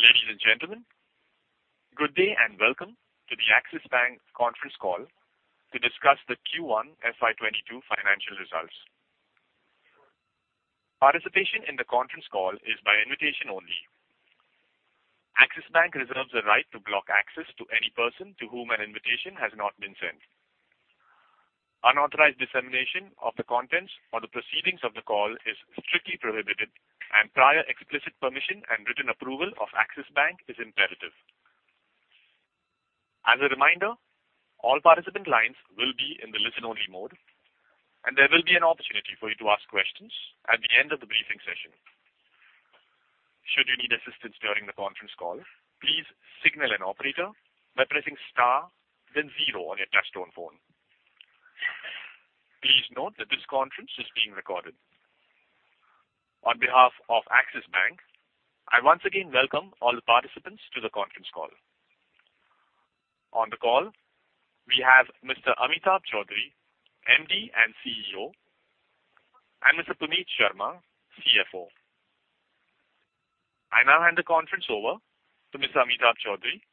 Ladies and gentlemen, good day and welcome to the Axis Bank conference call to discuss the Q1 FY 2022 financial results. Participation in the conference call is by invitation only. Axis Bank reserves the right to block access to any person to whom an invitation has not been sent. Unauthorized dissemination of the contents or the proceedings of the call is strictly prohibited, and prior explicit permission and written approval of Axis Bank is imperative. As a reminder, all participant lines will be in the listen-only mode, and there will be an opportunity for you to ask questions at the end of the briefing session. Should you need assistance during the conference call, please signal an operator by pressing star then zero on your touch-tone phone. Please note that this conference is being recorded. On behalf of Axis Bank, I once again welcome all the participants to the conference call. On the call, we have Mr. Amitabh Chaudhry, MD and CEO, and Mr. Puneet Sharma, CFO. I now hand the conference over to Mr. Amitabh Chaudhry,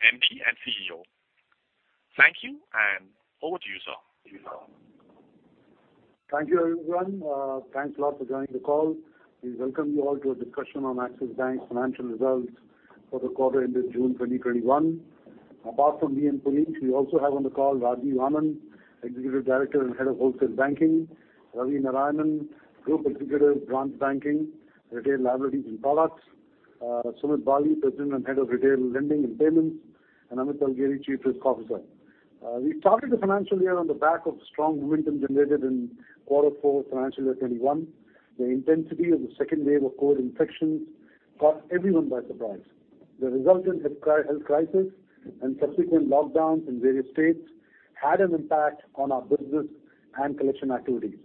MD and CEO. Thank you, and over to you, sir. Thank you, everyone. Thanks a lot for joining the call. We welcome you all to a discussion on Axis Bank's financial results for the quarter ended June 2021. Apart from me and Puneet, we also have on the call Rajiv Anand, Executive Director and Head of Wholesale Banking, Ravi Narayanan, Group Executive, Branch Banking, Retail Liabilities and Products, Sumit Bali, President and Head of Retail Lending and Payments, and Amit Talgeri, Chief Risk Officer. We started the financial year on the back of strong momentum generated in quarter four financial year 2021. The intensity of the second wave of COVID infections caught everyone by surprise. The resultant health crisis and subsequent lockdowns in various states had an impact on our business and collection activities.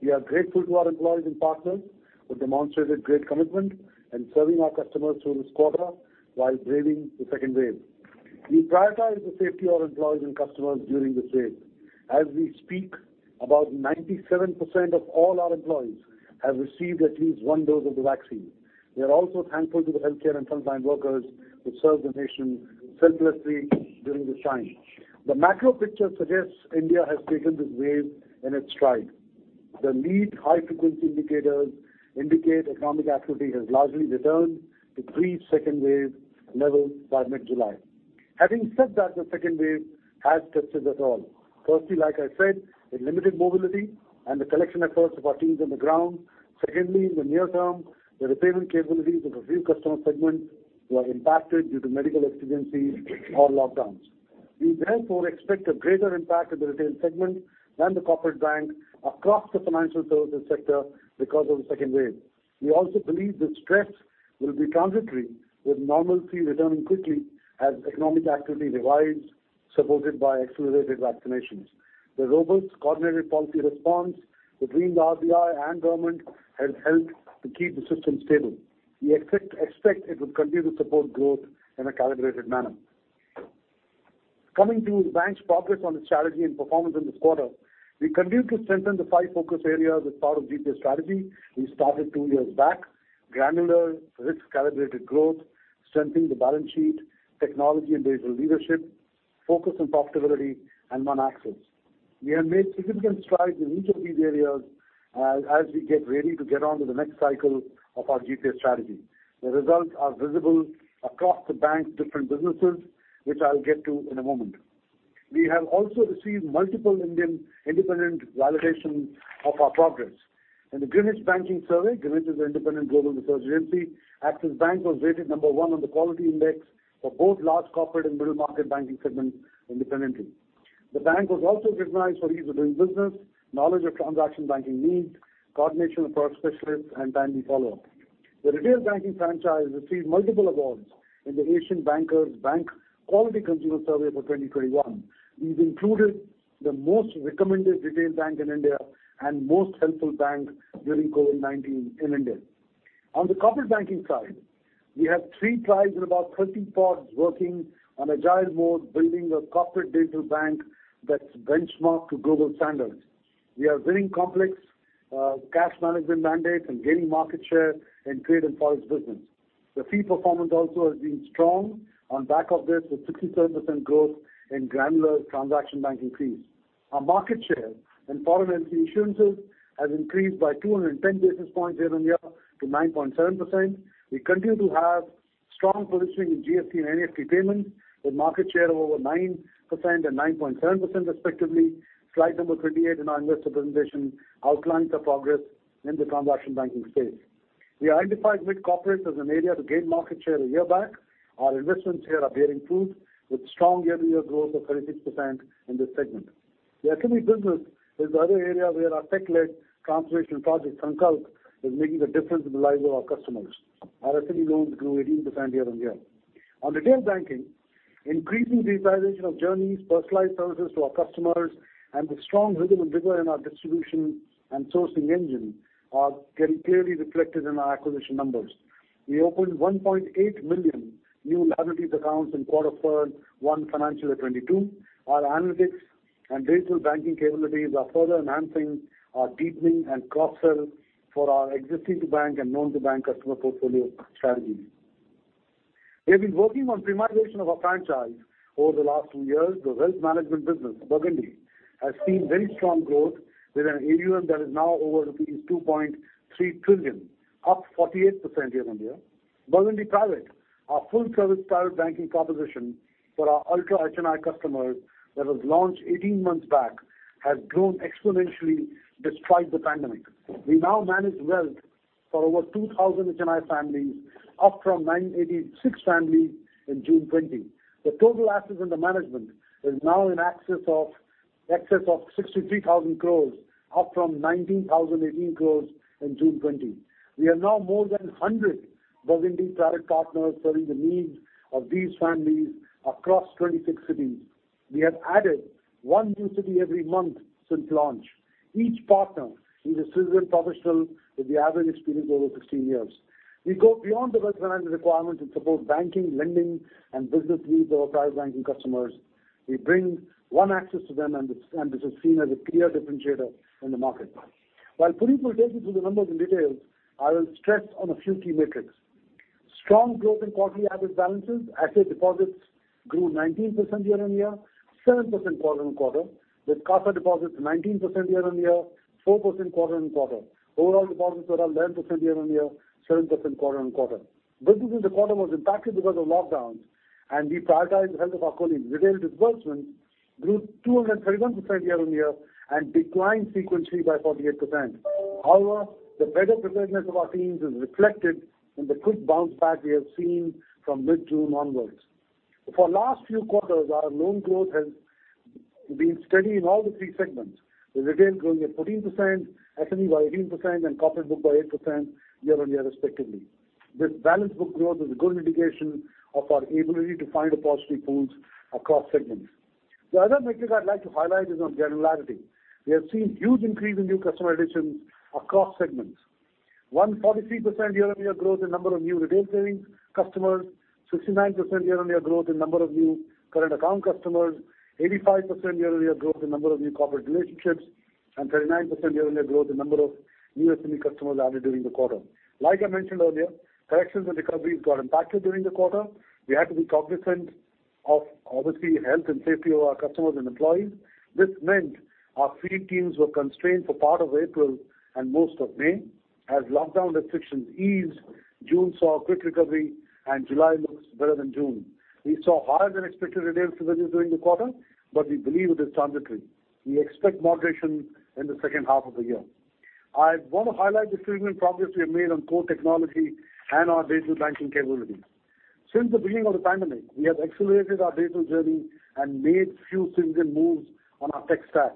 We are grateful to our employees and partners who demonstrated great commitment in serving our customers through this quarter while braving the second wave. We prioritize the safety of our employees and customers during this wave. As we speak, about 97% of all our employees have received at least one dose of the vaccine. We are also thankful to the healthcare and frontline workers who served the nation selflessly during this time. The macro picture suggests India has taken this wave in its stride. The lead high-frequency indicators indicate economic activity has largely returned to pre-second wave levels by mid-July. Having said that, the second wave has tested us all. Firstly, like I said, it limited mobility and the collection efforts of our teams on the ground. Secondly, in the near term, the repayment capabilities of a few customer segments were impacted due to medical exigencies or lockdowns. We therefore expect a greater impact in the retail segment than the corporate bank across the financial services sector because of the second wave. We also believe this stress will be transitory, with normalcy returning quickly as economic activity revives, supported by accelerated vaccinations. The robust coordinated policy response between the RBI and government has helped to keep the system stable. We expect it will continue to support growth in a calibrated manner. Coming to the bank's progress on its strategy and performance in this quarter, we continue to strengthen the five focus areas as part of GPS strategy we started two years back: granular risk-calibrated growth; strengthening the balance sheet; technology and digital leadership; focus on profitability; and One Axis. We have made significant strides in each of these areas as we get ready to get on to the next cycle of our GPS strategy. The results are visible across the bank's different businesses, which I'll get to in a moment. We have also received multiple Indian independent validation of our progress. In the Greenwich Banking Survey, Greenwich is an independent global research agency, Axis Bank was rated number one on the quality index for both large corporate and middle-market banking segments independently. The bank was also recognized for ease of doing business, knowledge of transaction banking needs, coordination across specialists, and timely follow-up. The retail banking franchise received multiple awards in The Asian Banker's Bank Quality Consumer Survey for 2021. These included the Most Recommended Retail Bank in India and Most Helpful Bank during COVID-19 in India. On the corporate banking side, we have three tribes and about 30 pods working on agile mode, building a corporate digital bank that's benchmarked to global standards. We are winning complex cash management mandates and gaining market share in trade and forex business. The fee performance also has been strong on back of this, with 67% growth in granular transaction banking fees. Our market share in foreign LC issuances has increased by 210 basis points year-on-year to 9.7%. We continue to have strong positioning in GST/NEFT payments with market share of over 9% and 9.7% respectively. Slide number 28 in our investor presentation outlines the progress in the transaction banking space. We identified mid-corporate as an area to gain market share a year back. Our investments here are bearing fruit, with strong year-on-year growth of 36% in this segment. The SME business is the other area where our tech-led transformation Project Sankalp is making a difference in the lives of our customers. Our SME loans grew 18% year-on-year. On retail banking, increasing digitization of journeys, personalized services to our customers, and the strong rhythm and rigor in our distribution and sourcing engine are getting clearly reflected in our acquisition numbers. We opened 1.8 million new liabilities accounts in quarter one, financial 2022. Our analytics and digital banking capabilities are further enhancing our deepening and cross-sell for our existing bank and known to bank customer portfolio strategy. We have been working on premiumization of our franchise over the last two years. The wealth management business, Burgundy, has seen very strong growth with an AUM that is now over rupees 2.3 trillion, up 48% year-on-year. Burgundy Private, our full-service private banking proposition for our ultra HNI customers that was launched 18 months back, has grown exponentially despite the pandemic. We now manage wealth for over 2,000 HNI families, up from 986 families in June 2020. The total assets under management is now in excess of 63,000 crores, up from 19,018 crores in June 2020. We are now more than hundred Burgundy Private partners serving the needs of these families across 26 cities. We have added one new city every month since launch. Each partner is a seasoned professional with the average experience over 15 years. We go beyond the wealth management requirements and support banking, lending, and business needs of our private banking customers. We bring One Axis to them, and this is seen as a clear differentiator in the market. While Puneet will take you through the numbers in detail, I will stress on a few key metrics. Strong growth in quarterly average balances. Axis deposits grew 19% year-on-year, 7% quarter-on-quarter, with CASA deposits 19% year-on-year, 4% quarter-on-quarter. Overall deposits were up 11% year-on-year, 7% quarter-on-quarter. Business in the quarter was impacted because of lockdowns, and we prioritized the health of our colleagues. Retail disbursements grew 231% year-on-year and declined sequentially by 48%. However, the better preparedness of our teams is reflected in the quick bounce back we have seen from mid-June onwards. For last few quarters, our loan growth has been steady in all the three segments, with retail growing at 14%, SME by 18%, and corporate book by 8% year-on-year respectively. This balance book growth is a good indication of our ability to find deposit pools across segments. The other metric I'd like to highlight is on granularity. We have seen huge increase in new customer additions across segments. A 143% year-on-year growth in number of new retail savings customers, 69% year-on-year growth in number of new current account customers, 85% year-on-year growth in number of new corporate relationships, and 39% year-on-year growth in number of new SME customers added during the quarter. Like I mentioned earlier, collections and recoveries got impacted during the quarter. We had to be cognizant of obviously health and safety of our customers and employees. This meant our field teams were constrained for part of April and most of May. As lockdown restrictions eased, June saw a quick recovery, and July looks better than June. We saw higher than expected retail [inaudible] during the quarter, but we believe it is transitory. We expect moderation in the second half of the year. I want to highlight the significant progress we have made on core technology and our digital banking capabilities. Since the beginning of the pandemic, we have accelerated our digital journey and made few significant moves on our tech stack.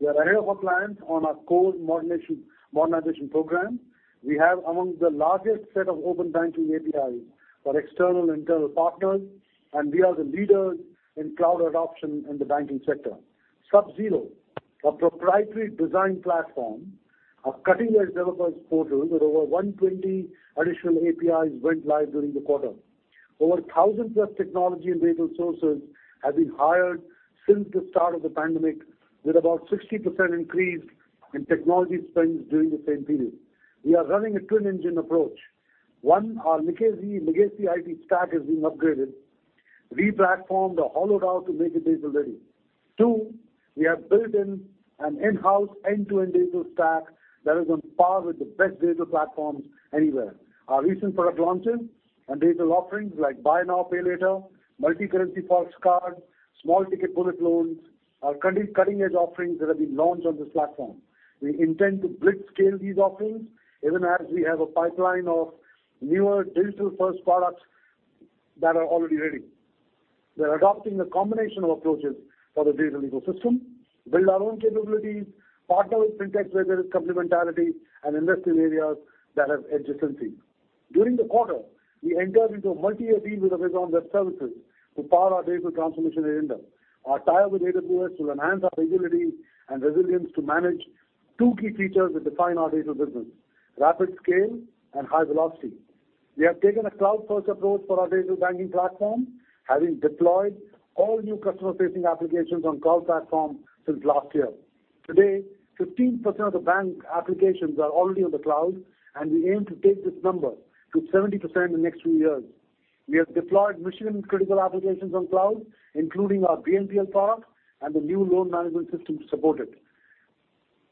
We are ahead of our plans on our core modernization program. We have among the largest set of open banking APIs for external internal partners, and we are the leaders in cloud adoption in the banking sector. Subzero, a proprietary design platform, a cutting-edge developers portal with over 120 additional APIs, went live during the quarter. Over thousands of technology and digital resources have been hired since the start of the pandemic, with about 60% increase in technology spends during the same period. We are running a twin engine approach. One, our legacy IT stack is being upgraded, replatformed or hollowed out to make it digital ready. Two, we have built in an in-house end-to-end digital stack that is on par with the best digital platforms anywhere. Our recent product launches and digital offerings like buy now, pay later, multi-currency forex card, small ticket bullet loans, are cutting-edge offerings that have been launched on this platform. We intend to blitz scale these offerings, even as we have a pipeline of newer digital first products that are already ready. We are adopting a combination of approaches for the digital ecosystem, build our own capabilities, partner with fintechs where there is complementarity and invest in areas that have adjacencies. During the quarter, we entered into a multi-year deal with Amazon Web Services to power our digital transformation agenda. Our tie up with AWS will enhance our agility and resilience to manage two key features that define our digital business, rapid scale and high velocity. We have taken a cloud first approach for our digital banking platform, having deployed all new customer facing applications on cloud platform since last year. Today, 15% of the bank applications are already on the cloud. We aim to take this number to 70% in next three years. We have deployed mission critical applications on cloud, including our BNPL product and the new loan management system to support it.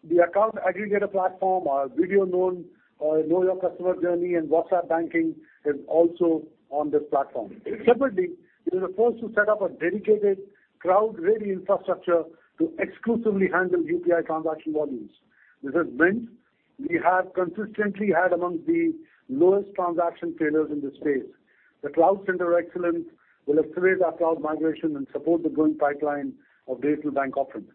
The account aggregator platform, our video known or know your customer journey and WhatsApp banking is also on this platform. Separately, we were the first to set up a dedicated cloud-ready infrastructure to exclusively handle UPI transaction volumes. This has meant we have consistently had amongst the lowest transaction failures in this space. The cloud center of excellence will accelerate our cloud migration and support the growing pipeline of digital bank offerings.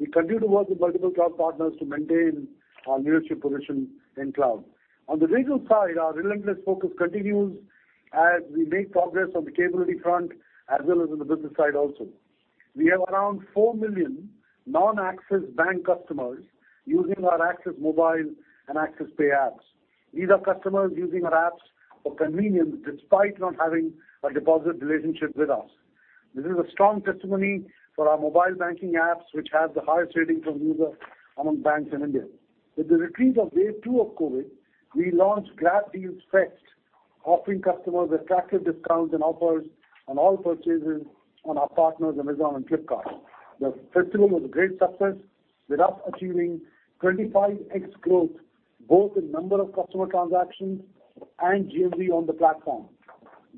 We continue to work with multiple cloud partners to maintain our leadership position in cloud. On the digital side, our relentless focus continues as we make progress on the capability front as well as on the business side also. We have around 4 million non-Axis Bank customers using our Axis Mobile and Axis Pay Apps. These are customers using our apps for convenience despite not having a deposit relationship with us. This is a strong testimony for our mobile banking apps, which has the highest rating from users among banks in India. With the retreat of wave two of COVID, we launched GrabDeals Fest, offering customers attractive discounts and offers on all purchases on our partners Amazon and Flipkart. The festival was a great success, with us achieving 25x growth both in number of customer transactions and GMV on the platform.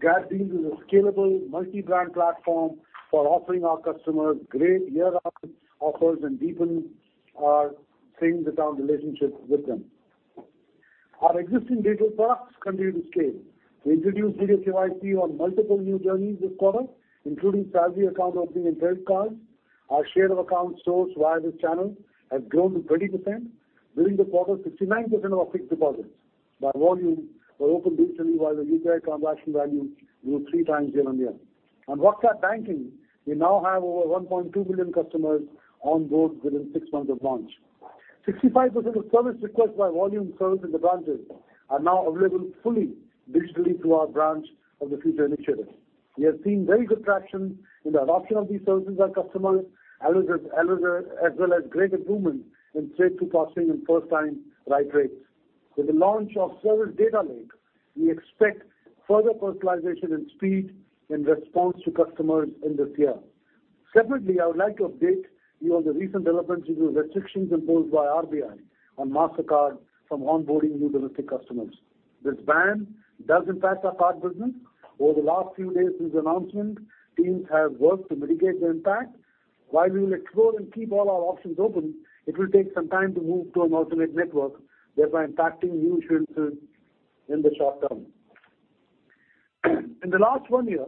GrabDeals is a scalable multi-brand platform for offering our customers great year-round offers and deepen our same in the town relationships with them. Our existing digital products continue to scale. We introduced video KYC on multiple new journeys this quarter, including salary account opening and credit cards. Our share of accounts sourced via this channel has grown to 20%. During the quarter, 69% of our fixed deposits by volume were opened digitally, while the user transaction value grew 3x year-on-year. On WhatsApp banking, we now have over 1.2 million customers on board within six months of launch. A 65% of service requests by volume served in the branches are now available fully digitally through our Branch of the Future initiative. We have seen very good traction in the adoption of these services by customers, as well as great improvement in straight-through processing and first time right rates. With the launch of service data lake, we expect further personalization and speed in response to customers in this year. Separately, I would like to update you on the recent developments due to restrictions imposed by RBI on Mastercard from onboarding new domestic customers. This ban does impact our card business. Over the last few days since announcement, teams have worked to mitigate the impact. While we will explore and keep all our options open, it will take some time to move to an alternate network, thereby impacting new issuance in the short term. In the last one year,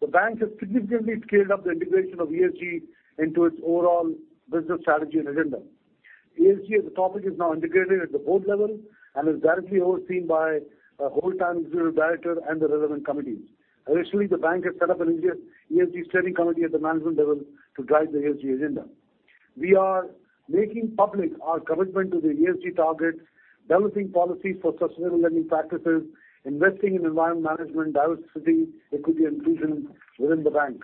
the bank has significantly scaled up the integration of ESG into its overall business strategy and agenda. ESG as a topic is now integrated at the board level and is directly overseen by a whole time executive director and the relevant committees. Additionally, the bank has set up an ESG steering committee at the management level to guide the ESG agenda. We are making public our commitment to the ESG targets, developing policies for sustainable lending practices, investing in environment management, diversity, equity, and inclusion within the bank.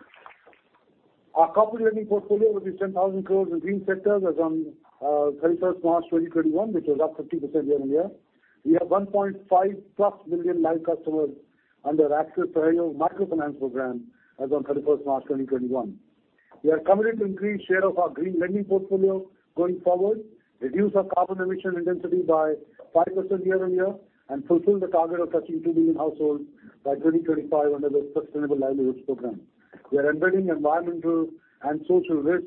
Our corporate lending portfolio over 10,000 crore in green sectors as on March 31st 2021, which was up 50% year-on-year. We have 1.5+ million live customers under Axis Sahyog Microfinance program as on March 31st 2021. We are committed to increase share of our green lending portfolio going forward, reduce our carbon emission intensity by 5% year-on-year, and fulfill the target of touching 2 million households by 2025 under the Sustainable Livelihoods Program. We are embedding environmental and social risks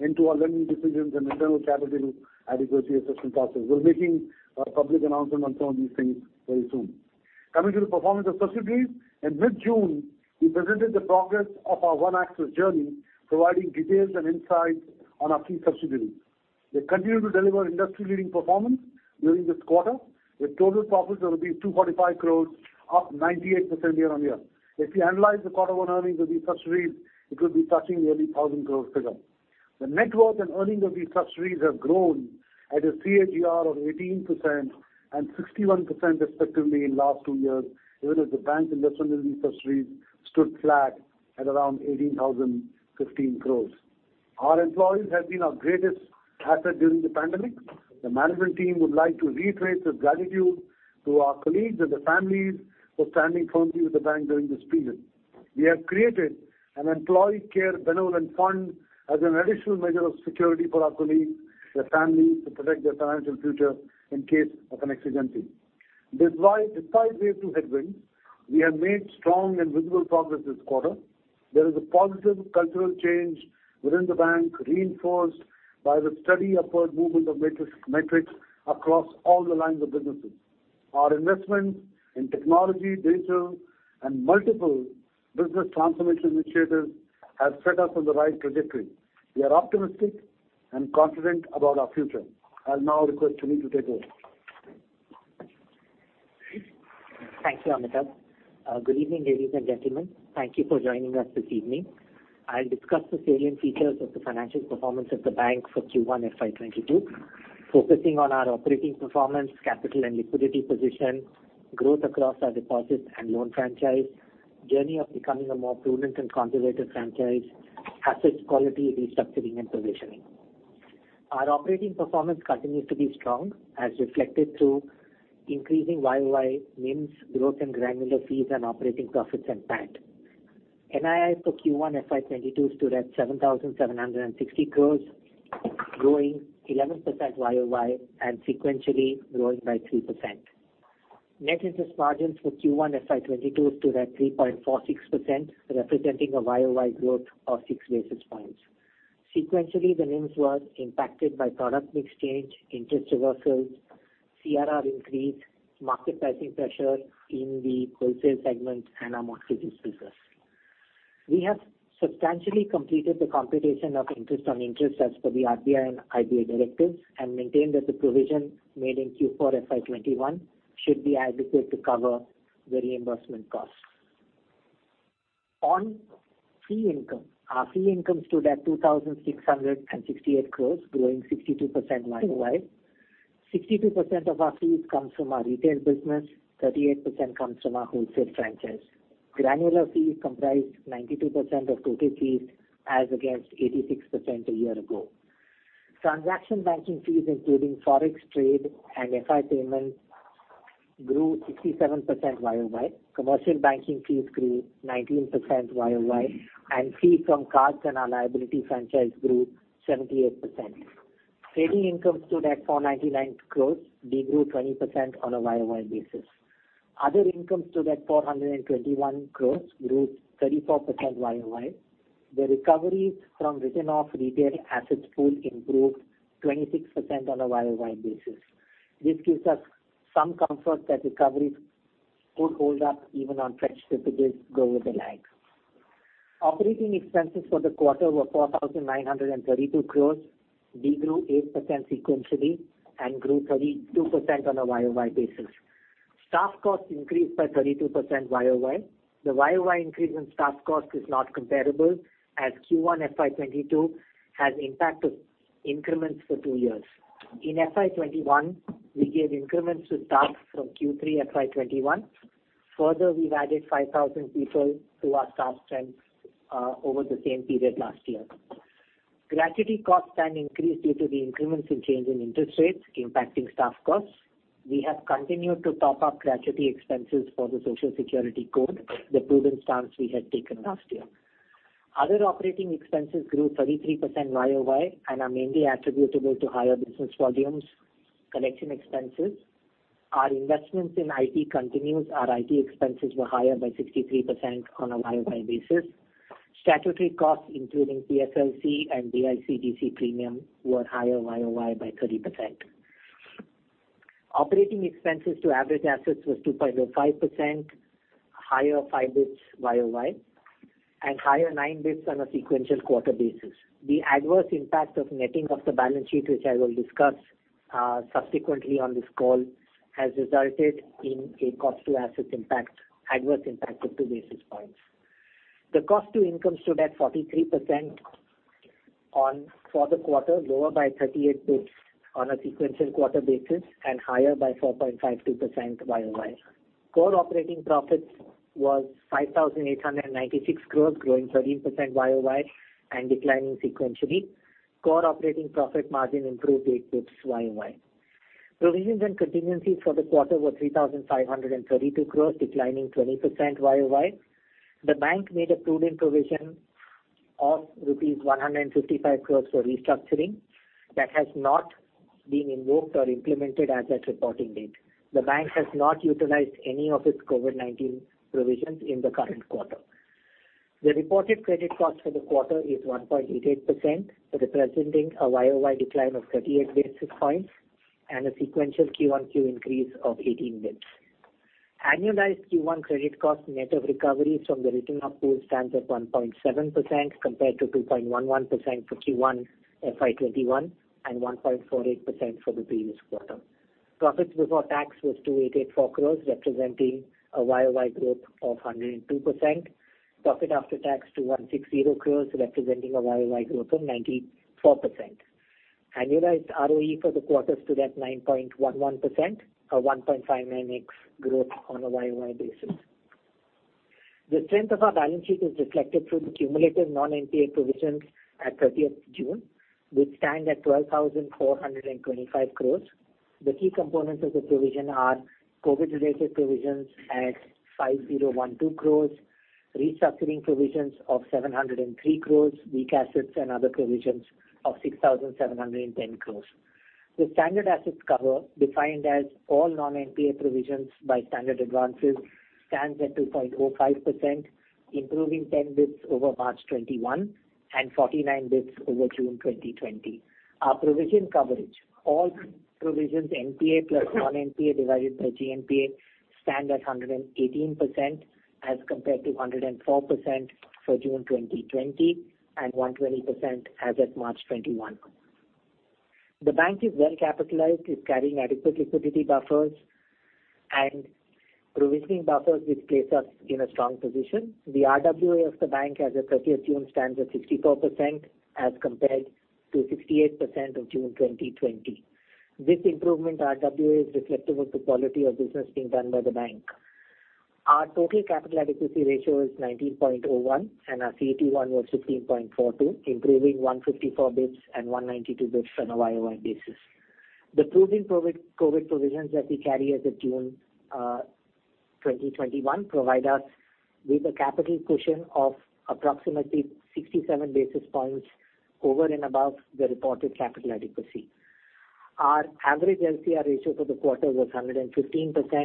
into our lending decisions and internal capital adequacy assessment process. We're making a public announcement on some of these things very soon. Coming to the performance of subsidiaries. In mid-June, we presented the progress of our One Axis journey, providing details and insights on our three subsidiaries. They continued to deliver industry-leading performance during this quarter, with total profits over these 245 crore, up 98% year-on-year. If we analyze the quarter one earnings of these subsidiaries, it will be touching nearly 1,000 crore figure. The net worth and earnings of these subsidiaries have grown at a CAGR of 18% and 61% respectively in last two years, even as the bank's investment in these subsidiaries stood flat at around 18,015 crore. Our employees have been our greatest asset during the pandemic. The management team would like to reiterate its gratitude to our colleagues and their families for standing firmly with the bank during this period. We have created an employee care benevolent fund as an additional measure of security for our colleagues, their families, to protect their financial future in case of a contingency. Despite wave two headwinds, we have made strong and visible progress this quarter. There is a positive cultural change within bank, reinforced by the steady upward movement of metrics across all the lines of businesses. Our investments in technology, data, and multiple business transformation initiatives have set us on the right trajectory. We are optimistic and confident about our future. I'll now request Puneet to take over. Thank you, Amitabh. Good evening, ladies and gentlemen. Thank you for joining us this evening. I'll discuss the salient features of the financial performance of the bank for Q1 FY 2022, focusing on our operating performance, capital and liquidity position, growth across our deposits and loan franchise, journey of becoming a more prudent and conservative franchise, assets quality restructuring and provisioning. Our operating performance continues to be strong as reflected through increasing YoY NIMs, growth in granular fees, and operating profits and PAT. NII for Q1 FY 2022 stood at 7,760 crores, growing 11% YoY and sequentially growing by 3%. Net interest margins for Q1 FY 2022 stood at 3.46%, representing a YoY growth of 6 basis points. Sequentially, the NIMs was impacted by product mix change, interest reversals, CRR increase, market pricing pressure in the wholesale segment and our mortgage business. We have substantially completed the computation of interest on interest as per the RBI and IBA directives. We maintain that the provision made in Q4 FY 2021 should be adequate to cover the reimbursement cost. On fee income. Our fee income stood at 2,668 crores, growing 62% YoY, 62% of our fees comes from our retail business, 38% comes from our wholesale franchise. Granular fees comprised 92% of total fees as against 86% a year ago. Transaction banking fees, including FX trade and FI payments, grew 57% YoY Commercial banking fees grew 19% YoY. Fees from cards and our liability franchise grew 78%. Trading income stood at 499 crores, de-grew 20% on a YoY basis. Other income stood at 421 crores, grew 34% YoY. The recoveries from written-off retail assets pool improved 26% on a YoY basis. This gives us some comfort that recoveries could hold up even on fresh delinquencies go with the lag. Operating expenses for the quarter were 4,932 crore, de-grew 8% sequentially and grew 32% on a YoY basis. Staff costs increased by 32% YoY. The YoY increase in staff cost is not comparable, as Q1 FY 2022 has impact of increments for two years. In FY 2021, we gave increments to staff from Q3 FY 2021. Further, we've added 5,000 people to our staff strength over the same period last year. Gratuity cost increased due to the increments in change in interest rates impacting staff costs. We have continued to top up gratuity expenses for the Social Security Code, the prudent stance we had taken last year. Other operating expenses grew 33% YoY and are mainly attributable to higher business volumes, collection expenses. Our investments in IT continues. Our IT expenses were higher by 63% on a YoY basis. Statutory costs, including PSLC and DICGC premium, were higher YoY by 30%. Operating expenses to average assets was 2.05%, higher 5 basis points YoY, and higher 9 basis points on a sequential quarter basis. The adverse impact of netting of the balance sheet, which I will discuss subsequently on this call, has resulted in a cost to assets impact, adverse impact of 2 basis points. The cost to income stood at 43% for the quarter, lower by 38 basis points on a sequential quarter basis and higher by 4.52% YoY. Core operating profit was 5,896 crores, growing 13% YoY and declining sequentially. Core operating profit margin improved 8 basis points YoY. Provisions and contingencies for the quarter were 3,532 crores, declining 20% YoY. The bank made a prudent provision of rupees 155 crores for restructuring that has not been invoked or implemented as at reporting date. The bank has not utilized any of its COVID-19 provisions in the current quarter. The reported credit cost for the quarter is 1.88%, representing a YoY decline of 38 basis points and a sequential [quarter-on-quarter] increase of 18 basis points. Annualized Q1 credit cost net of recoveries from the written-off pool stands at 1.7% compared to 2.11% for Q1 FY 2021 and 1.48% for the previous quarter. Profits before tax was 2,884 crores, representing a YoY growth of 102%. Profit after tax, 2,160 crores, representing a YoY growth of 94%. Annualized ROE for the quarter stood at 9.11%, a 1.59x growth on a YoY basis. The strength of our balance sheet is reflected through the cumulative non-NPA provisions at June 30th, which stand at 12,425 crores. The key components of the provision are COVID-related provisions at 5,012 crore, restructuring provisions of 703 crore, weak assets and other provisions of 6,710 crore. The standard assets cover, defined as all non-NPA provisions by standard advances, stands at 2.05%, improving 10 basis points over March 2021 and 49 basis points over June 2020. Our provision coverage, all provisions NPA plus non-NPA divided by GNPA, stand at 118% as compared to 104% for June 2020 and 120% as at March 2021. The bank is well capitalized, is carrying adequate liquidity buffers and provisioning buffers, which place us in a strong position. The RWA of the bank as at June 30th stands at 64% as compared to 68% on June 2020. This improvement RWA is reflective of the quality of business being done by the bank. Our total capital adequacy ratio is 19.01 and our CET1 was 16.42, improving 154 basis points and 192 basis points on a YoY basis. The prudent COVID provisions that we carry as at June 2021 provide us with a capital cushion of approximately 67 basis points over and above the reported capital adequacy. Our average LCR ratio for the quarter was 115%.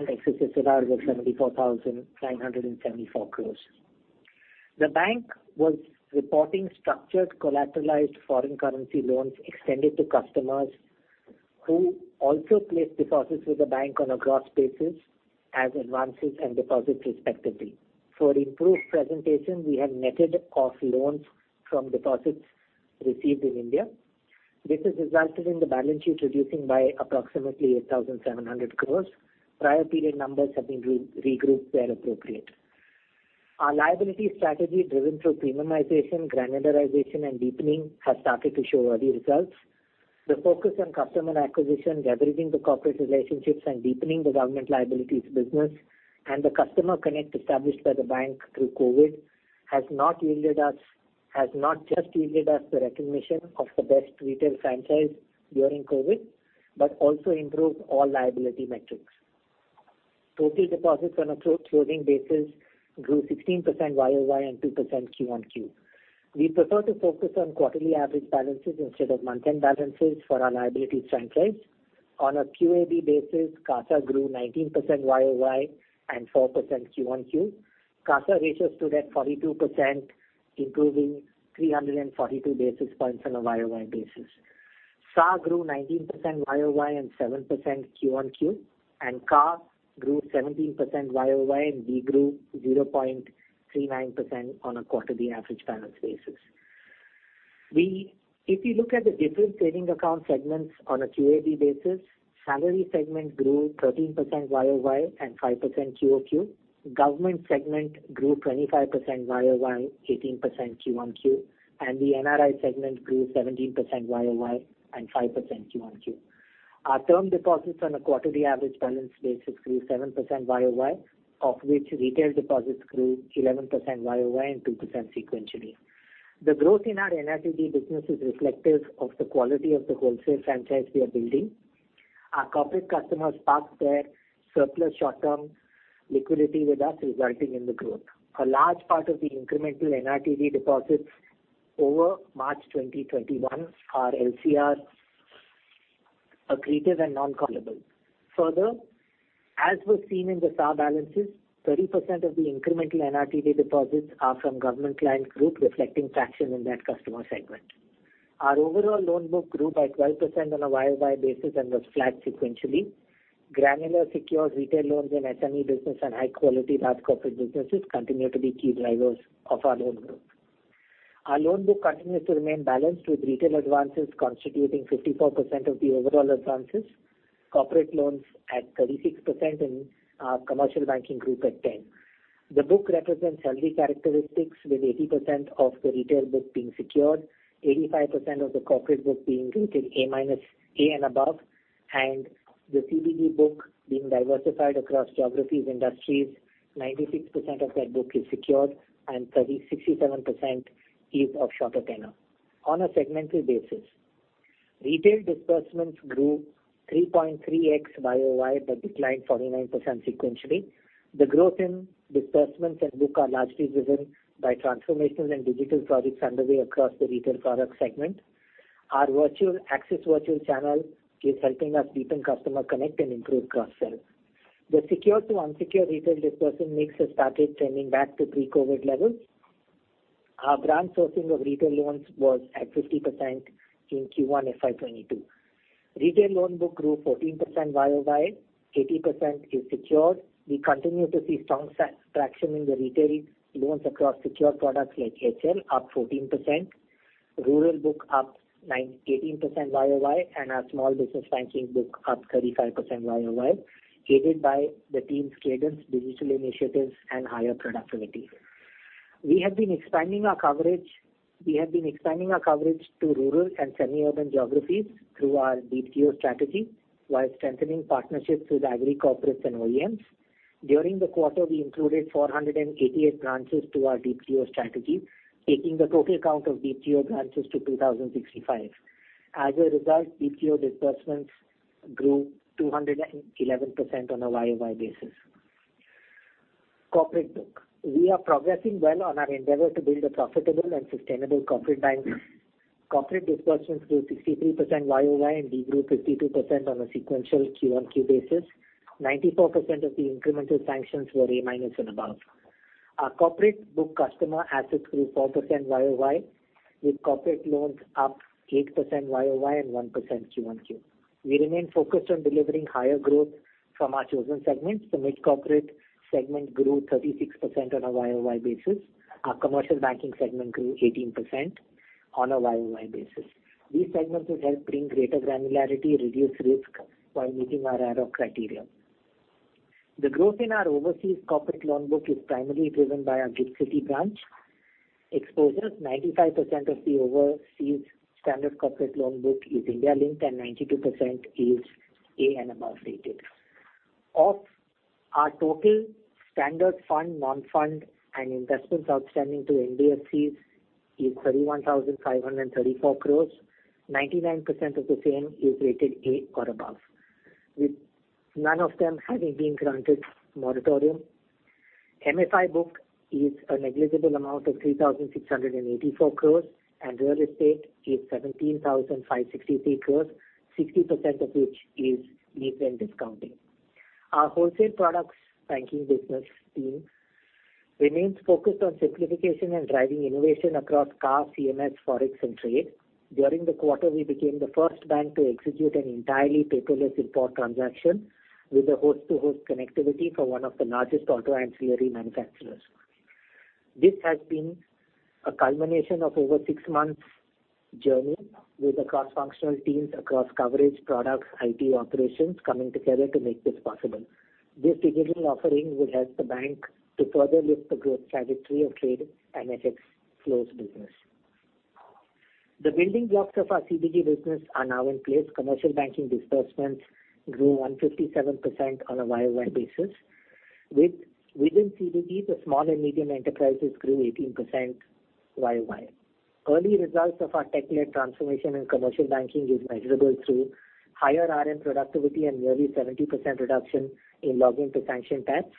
Excess SLR was 74,974 crores. The bank was reporting structured collateralized foreign currency loans extended to customers who also placed deposits with the bank on a gross basis as advances and deposits, respectively. For improved presentation, we have netted off loans from deposits received in India. This has resulted in the balance sheet reducing by approximately 1,700 crores. Prior period numbers have been regrouped where appropriate. Our liability strategy driven through premiumization, granularization, and deepening has started to show early results. The focus on customer acquisition, leveraging the corporate relationships and deepening the government liabilities business, and the customer connect established by the bank through COVID has not just yielded us the recognition of the best retail franchise during COVID, but also improved all liability metrics. Total deposits on a closing basis grew 16% YoY and 2% [quarter-on-quarter]. We prefer to focus on quarterly average balances instead of month-end balances for our liability franchise. On a QAB basis, CASA grew 19% YoY and 4% [quarter-on-quarter]. CASA ratios stood at 42%, improving 342 basis points on a YoY basis. CASA grew 19% YoY and 7% [quarter-on-quarter], and CASA grew 17% YoY and de-grew 0.39% on a quarterly average balance basis. If you look at the different savings account segments on a QAB basis, salary segment grew 13% YoY and 5% QoQ. Government segment grew 25% YoY, 18% [quarter-on-quarter]. The NRI segment grew 17% YoY and 5% [quarter-on-quarter]. Our term deposits on a quarterly average balance basis grew 7% YoY, of which retail deposits grew 11% YoY and 2% sequentially. The growth in our NRTD business is reflective of the quality of the wholesale franchise we are building. Our corporate customers park their surplus short-term liquidity with us, resulting in the growth. A large part of the incremental NRTD deposits over March 2021 are LCR accretive and non-callable. Further, as was seen in the CASA balances, 30% of the incremental NRTD deposits are from government client group reflecting traction in that customer segment. Our overall loan book grew by 12% on a YoY basis and was flat sequentially. Granular secured retail loans and SME business and high-quality large corporate businesses continue to be key drivers of our loan growth. Our loan book continues to remain balanced with retail advances constituting 54% of the overall advances, corporate loans at 36%, and our Commercial Banking Group at 10%. The book represents healthy characteristics with 80% of the retail book being secured, 85% of the corporate book being rated A- and above, and the CBG book being diversified across geographies, industries, 96% of that book is secured and 67% is of shorter tenor. On a segmental basis, retail disbursements grew 3.3x YoY but declined 49% sequentially. The growth in disbursements and book are largely driven by transformational and digital projects underway across the retail product segment. Our Axis Virtual Centre is helping us deepen customer connect and improve cross-sell. The secure to unsecure retail disbursement mix has started trending back to pre-COVID levels. Our branch sourcing of retail loans was at 50% in Q1 FY 2022. Retail loan book grew 14% YoY, 80% is secured. We continue to see strong traction in the retail loans across secured products like HL up 14%, rural book up 18% YoY, and our small business banking book up 35% YoY, aided by the team's cadence, digital initiatives, and higher productivity. We have been expanding our coverage to rural and semi-urban geographies through our DTO strategy while strengthening partnerships with agri corporates and OEMs. During the quarter, we included 488 branches to our DTO strategy, taking the total count of DTO branches to 2,065. As a result, DTO disbursements grew 211% on a YoY basis. Corporate book. We are progressing well on our endeavor to build a profitable and sustainable corporate bank. Corporate disbursements grew 63% YoY and de-grew 52% on a sequential [quarter-on-quarter] basis, 94% of the incremental sanctions were A- and above. Our corporate book customer assets grew 4% YoY, with corporate loans up 8% YoY and 1% [quarter-on-quarter]. We remain focused on delivering higher growth from our chosen segments. The mid-corporate segment grew 36% on a YoY basis. Our commercial banking segment grew 18% on a YoY basis. These segments will help bring greater granularity, reduce risk while meeting our ROIC criteria. The growth in our overseas corporate loan book is primarily driven by our GIFT City branch. Exposures, 95% of the overseas standard corporate loan book is India-linked and 92% is A and above rated. Of our total standard fund, non-fund and investments outstanding to NBFCs is 31,534 crores, 99% of the same is rated A or above with none of them having been granted moratorium. MFI book is a negligible amount of 3,684 crores and real estate is 17,563 crores, 60% of which is defend discounting. Our wholesale products banking business team remains focused on simplification and driving innovation across CIR, CMS, Forex, and trade. During the quarter, we became the first bank to execute an entirely paperless import transaction with a host-to-host connectivity for one of the largest auto ancillary manufacturers. This has been a culmination of over six months journey with the cross-functional teams across coverage, products, IT operations, coming together to make this possible. This digital offering will help the bank to further lift the growth trajectory of trade and FX flows business. The building blocks of our CBG business are now in place. Commercial banking disbursements grew 157% on a YoY basis. Within CBG, the small and medium enterprises grew 18% YoY. Early results of our tech-led transformation in commercial banking is measurable through higher RM productivity and nearly 70% reduction in login to sanction taps.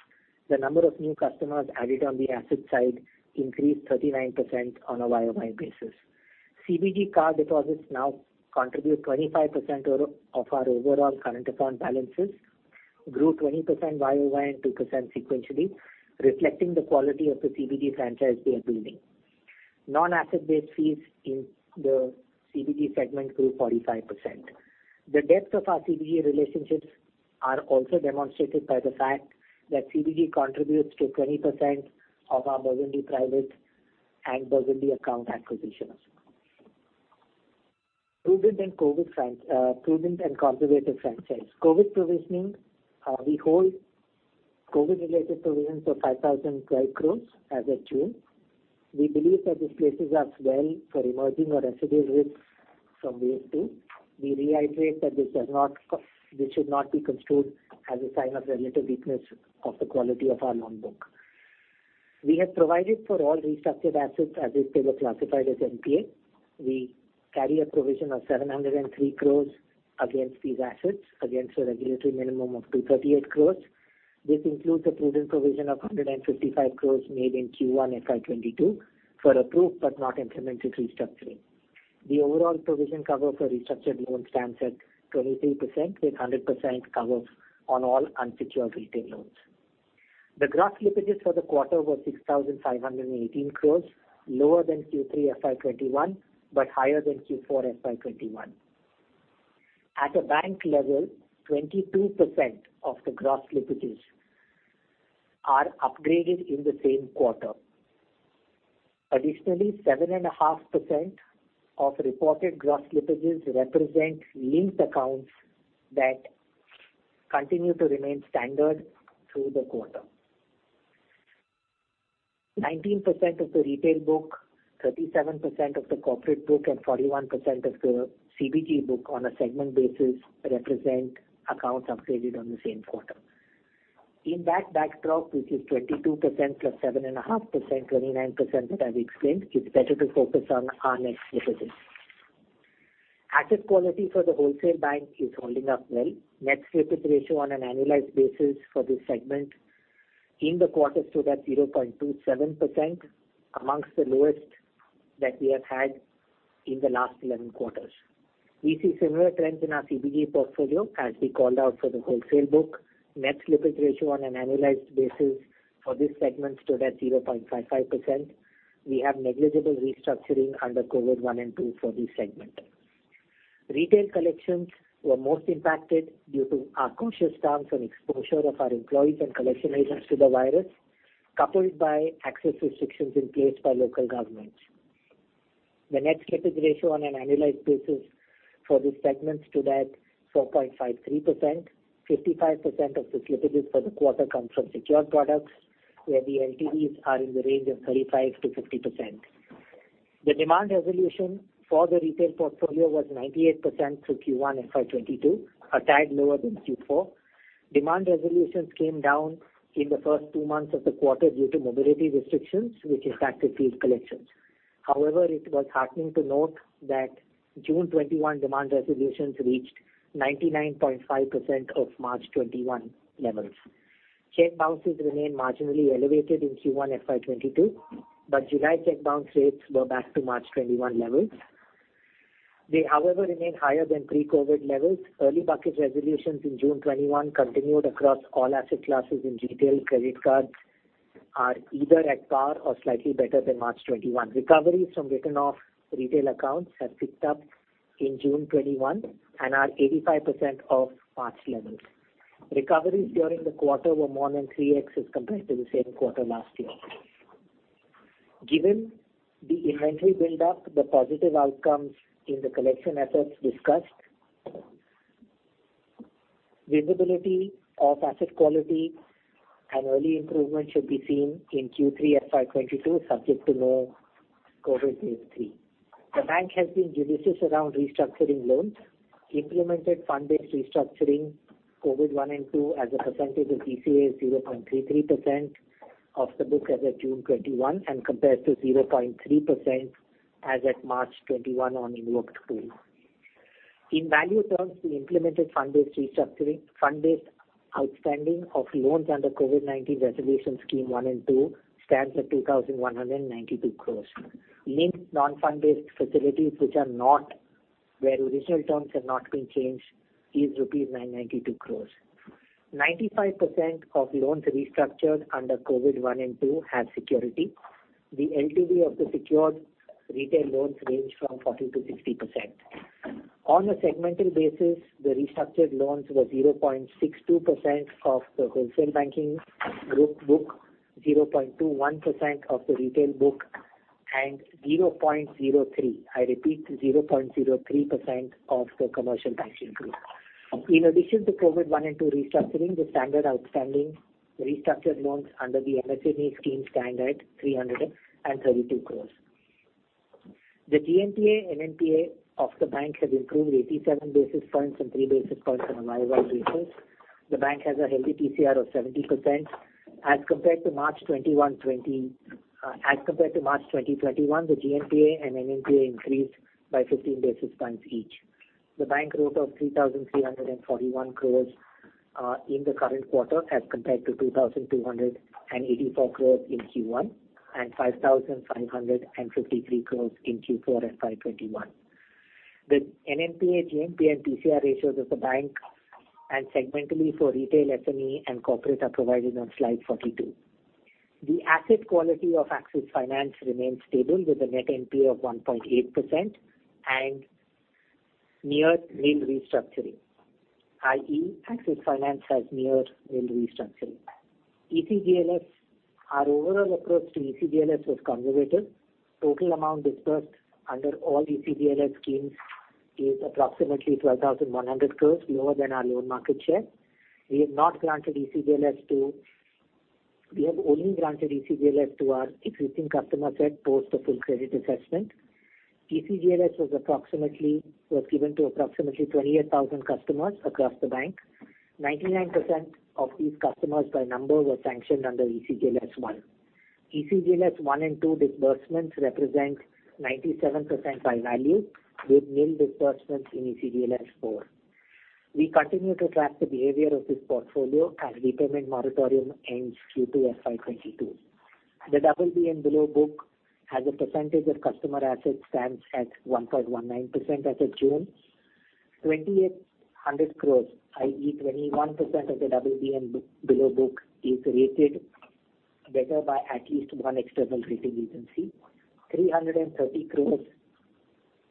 The number of new customers added on the asset side increased 39% on a YoY basis. CBG current account and deposit now contribute 25% of our overall current account balances, grew 20% YoY and 2% sequentially, reflecting the quality of the CBG franchise we are building. Non-asset-based fees in the CBG segment grew 45%. The depth of our CBG relationships are also demonstrated by the fact that CBG contributes to 20% of our Burgundy Private and Burgundy account acquisitions. Prudent and conservative franchise. COVID provisioning. We hold COVID-related provisions of 5,000 crore as at June. We believe that this places us well for emerging or residual risks from wave two. We reiterate that this should not be construed as a sign of relative weakness of the quality of our loan book. We have provided for all restructured assets as if they were classified as NPA. We carry a provision of 703 crores against these assets, against a regulatory minimum of 238 crores. This includes a prudent provision of 155 crores made in Q1 FY 2022 for approved but not implemented restructuring. The overall provision cover for restructured loans stands at 23%, with 100% covers on all unsecured retail loans. The gross slippages for the quarter were 6,518 crores, lower than Q3 FY 2021, higher than Q4 FY 2021. At a bank level, 22% of the gross slippages are upgraded in the same quarter. Additionally, 7.5% of reported gross slippages represent linked accounts that continue to remain standard through the quarter. A 19% of the retail book, 37% of the corporate book, 41% of the CBG book on a segment basis represent accounts upgraded on the same quarter. In that backdrop, which is 22% + 7.5%, 29% that I've explained, it's better to focus on our net slippages. Asset quality for the wholesale bank is holding up well. Net slippage ratio on an annualized basis for this segment in the quarter stood at 0.27%, amongst the lowest that we have had in the last 11 quarters. We see similar trends in our CBG portfolio as we called out for the wholesale book. Net slippage ratio on an annualized basis for this segment stood at 0.55%. We have negligible restructuring under COVID one and two for this segment. Retail collections were most impacted due to our cautious stance on exposure of our employees and collection agents to the virus, coupled by access restrictions in place by local governments. The net slippage ratio on an annualized basis for this segment stood at 4.53%, 55% of the slippages for the quarter come from secured products, where the LTVs are in the range of 35%-50%. The demand resolution for the retail portfolio was 98% through Q1 FY 2022, a tad lower than Q4. Demand resolutions came down in the first two months of the quarter due to mobility restrictions, which impacted field collections. However, it was heartening to note that June 2021 demand resolutions reached 99.5% of March 2021 levels. Check bounces remain marginally elevated in Q1 FY 2022, July check bounce rates were back to March 2021 levels. They, however, remain higher than pre-COVID levels. Early bucket resolutions in June 2021 continued across all asset classes in retail. Credit cards are either at par or slightly better than March 2021. Recoveries from written-off retail accounts have picked up in June 2021 and are 85% of March levels. Recoveries during the quarter were more than 3x as compared to the same quarter last year. Given the inventory build-up, the positive outcomes in the collection efforts discussed, visibility of asset quality and early improvement should be seen in Q3 FY 2022, subject to no COVID wave three. The bank has been judicious around restructuring loans. Implemented fund-based restructuring COVID one and two as a percentage of GCA is 0.33% of the book as at June 2021 and compared to 0.3% as at March 2021 on invoked pool. In value terms, the implemented fund-based restructuring, fund-based outstanding of loans under COVID-19 resolution scheme one and two stands at 2,192 crore. Linked non-fund-based facilities where original terms have not been changed is rupees 992 crore. A 95% of loans restructured under COVID one and two have security. The LTV of the secured retail loans range from 40%-60%. On a segmental basis, the restructured loans were 0.62% of the Wholesale Banking Group book, 0.21% of the retail book, and 0.03, I repeat, 0.03% of the Commercial Banking Group. In addition to COVID one and two restructuring, the standard outstanding restructured loans under the MSME scheme stand at 332 crores. The GNPA, NNPA of the bank have improved 87 basis points and 3 basis points on a YoY basis. The bank has a healthy PCR of 70%. As compared to March 2021, the GNPA and NNPA increased by 15 basis points each. The bank wrote off 3,341 crores, in the current quarter as compared to 2,284 crores in Q1 and 5,553 crores in Q4 FY 2021. The NNPA, GNPA and PCR ratios of the bank and segmentally for retail SME and corporate are provided on slide 42. The asset quality of Axis Finance remains stable with a net NPA of 1.8% and near nil restructuring, i.e., Axis Finance has near nil restructuring. ECLGS, our overall approach to ECLGS was conservative. Total amount disbursed under all ECLGS schemes is approximately 12,100 crores, lower than our loan market share. We have only granted ECLGS to our existing customer set, post the full credit assessment. ECLGS was given to approximately 28,000 customers across the bank. A 99% of these customers by number were sanctioned under ECLGS 1. ECLGS 1 and 2 disbursements represent 97% by value with nil disbursements in ECLGS 4. We continue to track the behavior of this portfolio as repayment moratorium ends Q2 FY 2022. The BB and below book as a percentage of customer assets stands at 1.19% as of June. A 2,800 crores, i.e., 21% of the BB and below book is rated better by at least one external rating agency. A 330 crores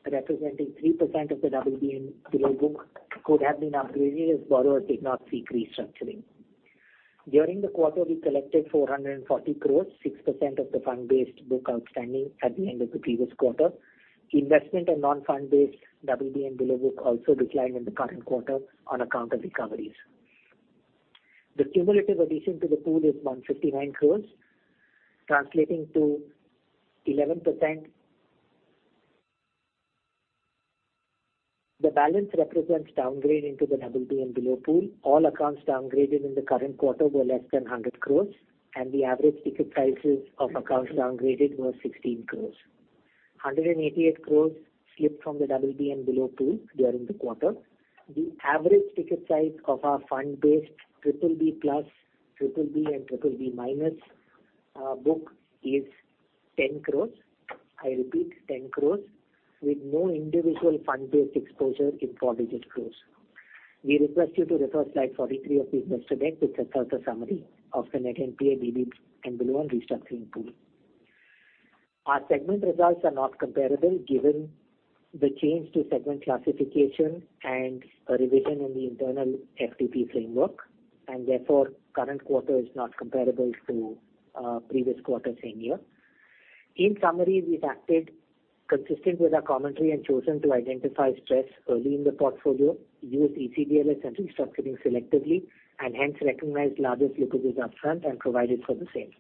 representing 3% of the BB and below book could have been upgraded as borrower did not seek restructuring. During the quarter, we collected 440 crores, 6% of the fund-based book outstanding at the end of the previous quarter. Investment and non-fund-based BB and below book also declined in the current quarter on account of recoveries. The cumulative addition to the pool is 159 crores, translating to 11%. The balance represents downgrade into the BB and below pool. All accounts downgraded in the current quarter were less than 100 crores, and the average ticket sizes of accounts downgraded were 16 crores. A 188 crores slipped from the BB and below pool during the quarter. The average ticket size of our fund-based BBB+, BBB and BBB- book is 10 crores. I repeat, 10 crores, with no individual fund-based exposure in four-digit crores. We request you to refer slide 43 of the investor deck, which has the summary of the net NPA BB and below on restructuring pool. Our segment results are not comparable given the change to segment classification and a revision in the internal FTP framework. Therefore, current quarter is not comparable to previous quarter same year. In summary, we've acted consistent with our commentary and chosen to identify stress early in the portfolio, used ECLGS and restructuring selectively, and hence recognized largest slippages upfront and provided for the same.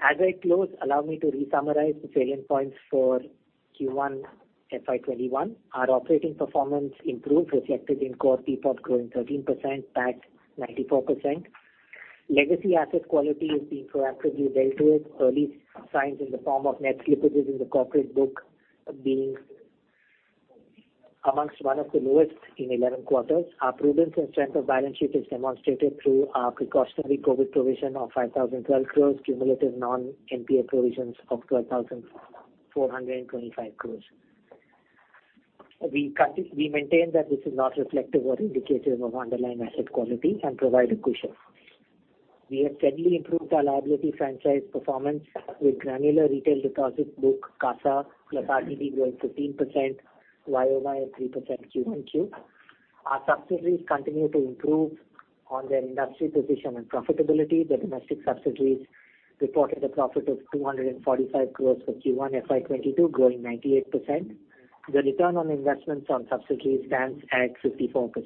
As I close, allow me to re-summarize the salient points for Q1 FY 2021. Our operating performance improved, reflected in core PPOP growing 13%, PAT 94%. Legacy asset quality is being proactively dealt with. Early signs in the form of net slippages in the corporate book being amongst one of the lowest in 11 quarters. Our prudence and strength of balance sheet is demonstrated through our precautionary COVID provision of 5,012 crore, cumulative non-NPA provisions of 12,425 crore. We maintain that this is not reflective or indicative of underlying asset quality and provide a cushion. We have steadily improved our liability franchise performance with granular retail deposits book, CASA + RD growing 15% YoY and 3% [quarter-on-quarter]. Our subsidiaries continue to improve on their industry position and profitability. The domestic subsidiaries reported a profit of 245 crore for Q1 FY 2022, growing 98%. The return on investments on subsidiaries stands at 54%.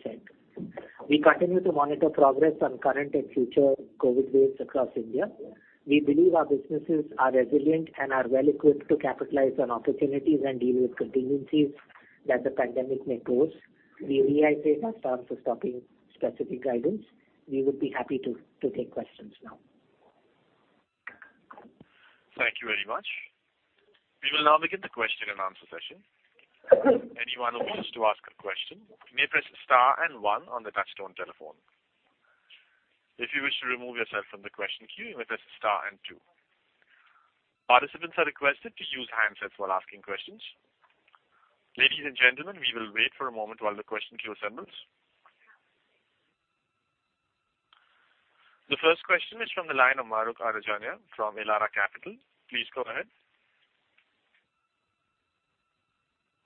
We continue to monitor progress on current and future COVID waves across India. We believe our businesses are resilient and are well equipped to capitalize on opportunities and deal with contingencies that the pandemic may pose. We reiterate our stance of stopping specific guidance. We would be happy to take questions now. Thank you very much. We will now begin the question and answer session. Anyone who wishes to ask a question may press star and one on the touchtone telephone. If you wish to remove yourself from the question queue, you may press star and two. Participants are requested to use handsets while asking questions. Ladies and gentlemen, we will wait for a moment while the question queue assembles. The first question is from the line of Mahrukh Adajania from Elara Capital. Please go ahead.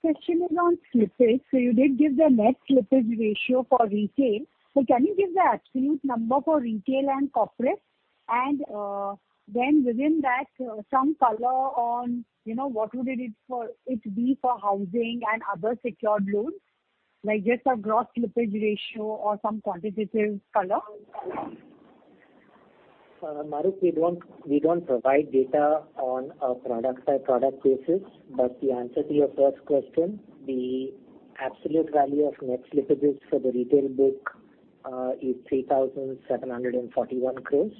Question is on slippage. You did give the net slippage ratio for retail, can you give the absolute number for retail and corporate? Then within that, some color on what would it be for housing and other secured loans? Like just a gross slippage ratio or some quantitative color. Mahrukh, we don't provide data on a product-by-product basis, but the answer to your first question, the absolute value of net slippages for the retail book is 3,741 crores,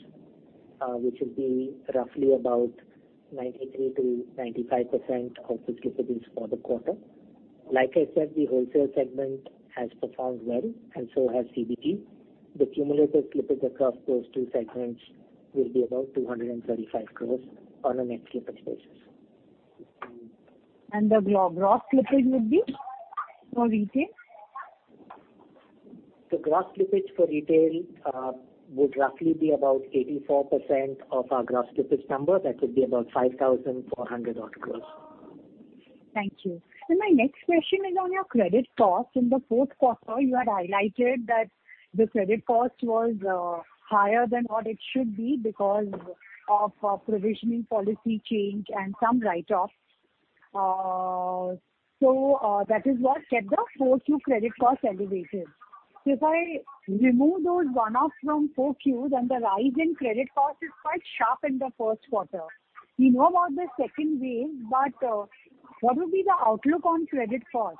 which will be roughly about 93%-95% of the slippages for the quarter. Like I said, the wholesale segment has performed well, and so has CBG. The cumulative slippage across those two segments will be about 235 crores on a net slippage basis. And the gross slippage would be for retail? The gross slippage for retail would roughly be about 84% of our gross slippage number. That would be about 5,400 odd crores. Thank you. My next question is on your credit cost. In the fourth quarter, you had highlighted that the credit cost was higher than what it should be because of a provisioning policy change and some write-offs. That is what kept the 4Q credit cost elevated. If I remove those one-offs from 4Q, then the rise in credit cost is quite sharp in the first quarter. We know about the second wave, but what would be the outlook on credit cost?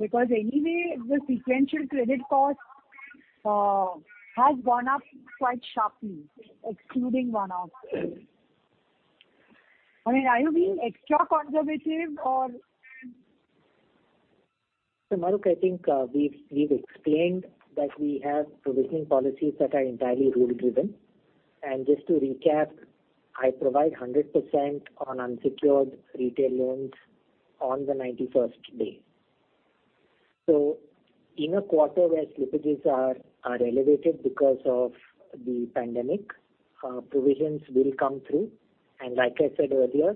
Anyway, the sequential credit cost has gone up quite sharply, excluding one-offs. I mean, are you being extra conservative or? Mahrukh, I think we've explained that we have provisioning policies that are entirely rule-driven. Just to recap, I provide 100% on unsecured retail loans on the 91st day. In a quarter where slippages are elevated because of the pandemic, provisions will come through, and like I said earlier,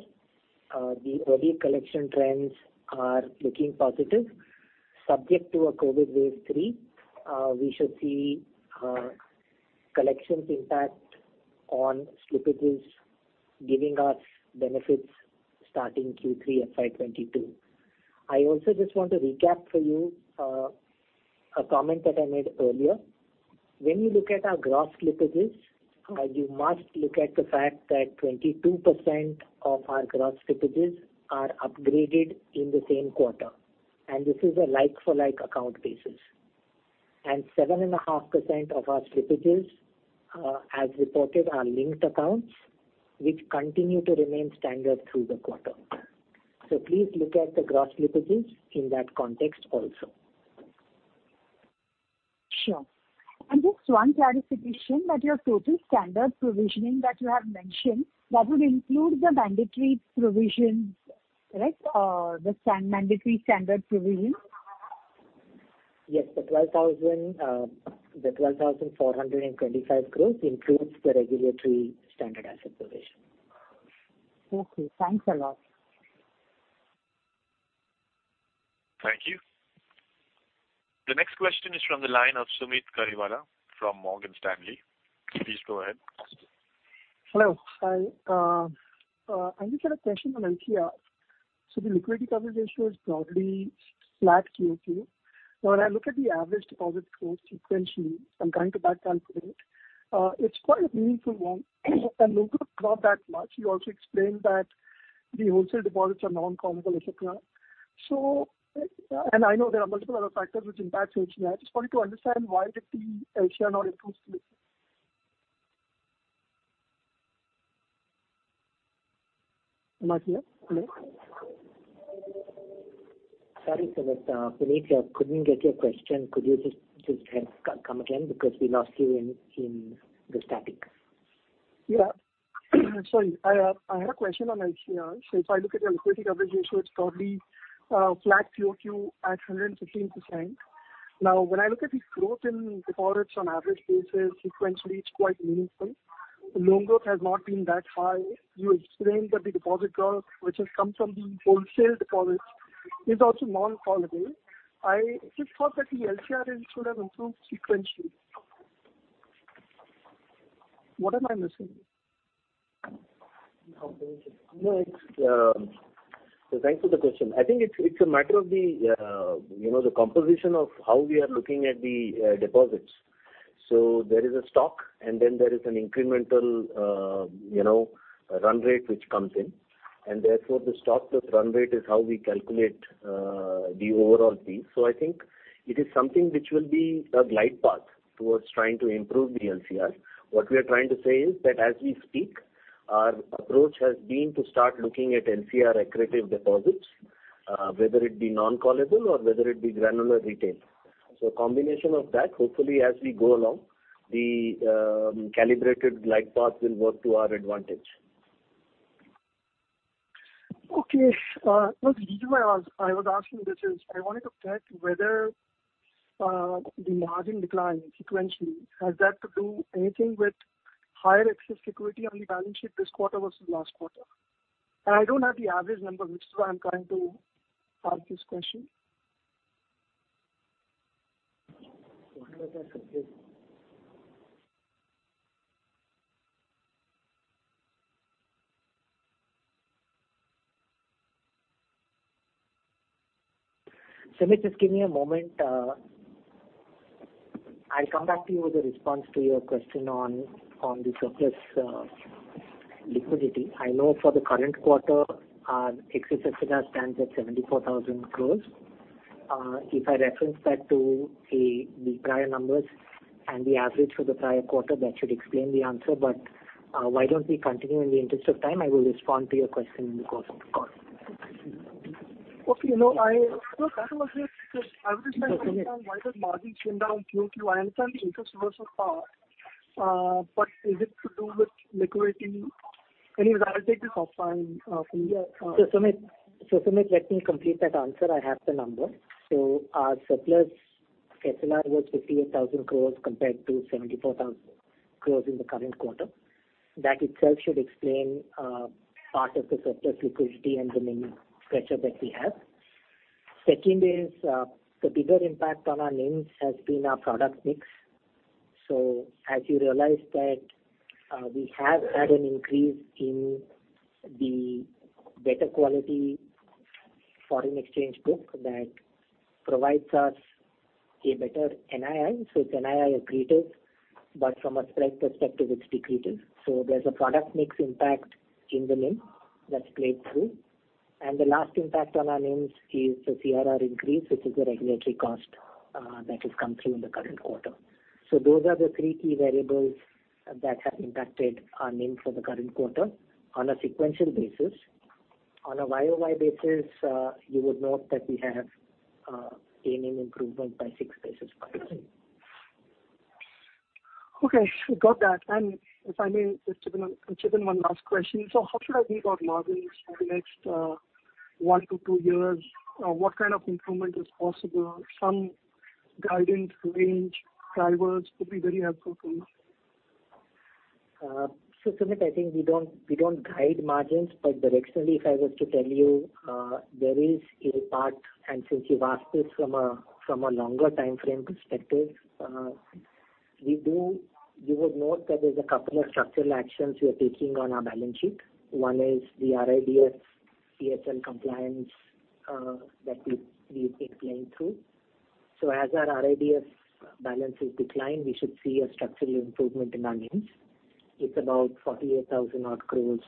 the early collection trends are looking positive, subject to a COVID wave three. We should see collections impact on slippages giving us benefits starting Q3 FY 2022. I also just want to recap for you a comment that I made earlier. When you look at our gross slippages, you must look at the fact that 22% of our gross slippages are upgraded in the same quarter, and this is a like-for-like account basis. 7.5% of our slippages, as reported, are linked accounts, which continue to remain standard through the quarter. So please look at the gross slippages in that context also. Sure. And just one clarification, that your total standard provisioning that you have mentioned, that would include the mandatory provisions, correct? The mandatory standard provisions? Yes. The 12,425 crores includes the regulatory standard asset provision. Okay. Thanks a lot. Thank you. The next question is from the line of Sumeet Kariwala from Morgan Stanley. Please go ahead. Hello. Hi. I just had a question on LCR. The liquidity coverage ratio is broadly flat [quarter-on-quarter]. When I look at the average deposits growth sequentially, I'm trying to back calculate, it's quite a meaningful one and loan growth is not that much. You also explained that the wholesale deposits are non-callable, et cetera. I know there are multiple other factors which impact LCR. I just wanted to understand why did the LCR not improve significantly? Am I clear? Hello? Sorry, Sumeet. Sumeet, I couldn't get your question. Could you just come again because we lost you in the static? Yes. Sorry. I had a question on LCR. If I look at your liquidity coverage ratio, it's probably flat [quarter-on-quarter] at 115%. Now, when I look at the growth in deposits on average basis, sequentially, it's quite meaningful. Loan growth has not been that high. You explained that the deposit growth, which has come from the wholesale deposits is also non-callable. I just thought that the LCR ratio should have improved sequentially. What am I missing? Composition. No, thanks for the question. I think it's a matter of the composition of how we are looking at the deposits. So there is a stock and then there is an incremental, you know, run rate which comes in. Therefore the stock plus run rate is how we calculate the overall fee. I think it is something which will be a glide path towards trying to improve the LCR. What we are trying to say is that as we speak, our approach has been to start looking at LCR accretive deposits, whether it be non-callable or whether it be granular retail. Combination of that, hopefully as we go along, the calibrated glide path will work to our advantage. Okay. The reason why I was asking this is I wanted to check whether the margin decline sequentially, has that to do anything with higher excess liquidity on the balance sheet this quarter versus last quarter? I don't have the average number, which is why I'm trying to ask this question. Sumeet, just give me a moment. I'll come back to you with a response to your question on the surplus liquidity. I know for the current quarter, our excess SLR stands at 74,000 crores. If I reference that to the prior numbers and the average for the prior quarter, that should explain the answer. Why don't we continue in the interest of time? I will respond to your question in the course of the call. Okay. No, that's okay. I was just trying to understand why those margins came down. Q2, I understand the interest was so high, but is it to do with liquidity? I'll take this offline from here. Sumeet, let me complete that answer. I have the number. Our surplus SLR was 58,000 crore compared to 74,000 crore in the current quarter. That itself should explain part of the surplus liquidity and the NIM pressure that we have. Second is, the bigger impact on our NIMs has been our product mix. As you realize that we have had an increase in the better quality foreign exchange book that provides us a better NII. It's NII accretive, but from a spread perspective, it's decretive. There's a product mix impact in the NIM that's played through. The last impact on our NIMs is the CRR increase, which is a regulatory cost that has come through in the current quarter. Those are the three key variables that have impacted our NIM for the current quarter on a sequential basis. On a YoY basis, you would note that we have a NIM improvement by 6 basis points. Okay. Got that. If I may, just chip in 1 last question. How should I think about margins for the next one to two years? What kind of improvement is possible? Some guidance range drivers would be very helpful to me. Sumeet, I think we don't guide margins, directionally, if I was to tell you, there is a part, since you've asked this from a longer timeframe perspective, you would note that there's a couple of structural actions we are taking on our balance sheet. One is the RIDF PSL compliance that we explained through. As our RIDF balances decline, we should see a structural improvement in our NIMs. It's about 48,000 odd crores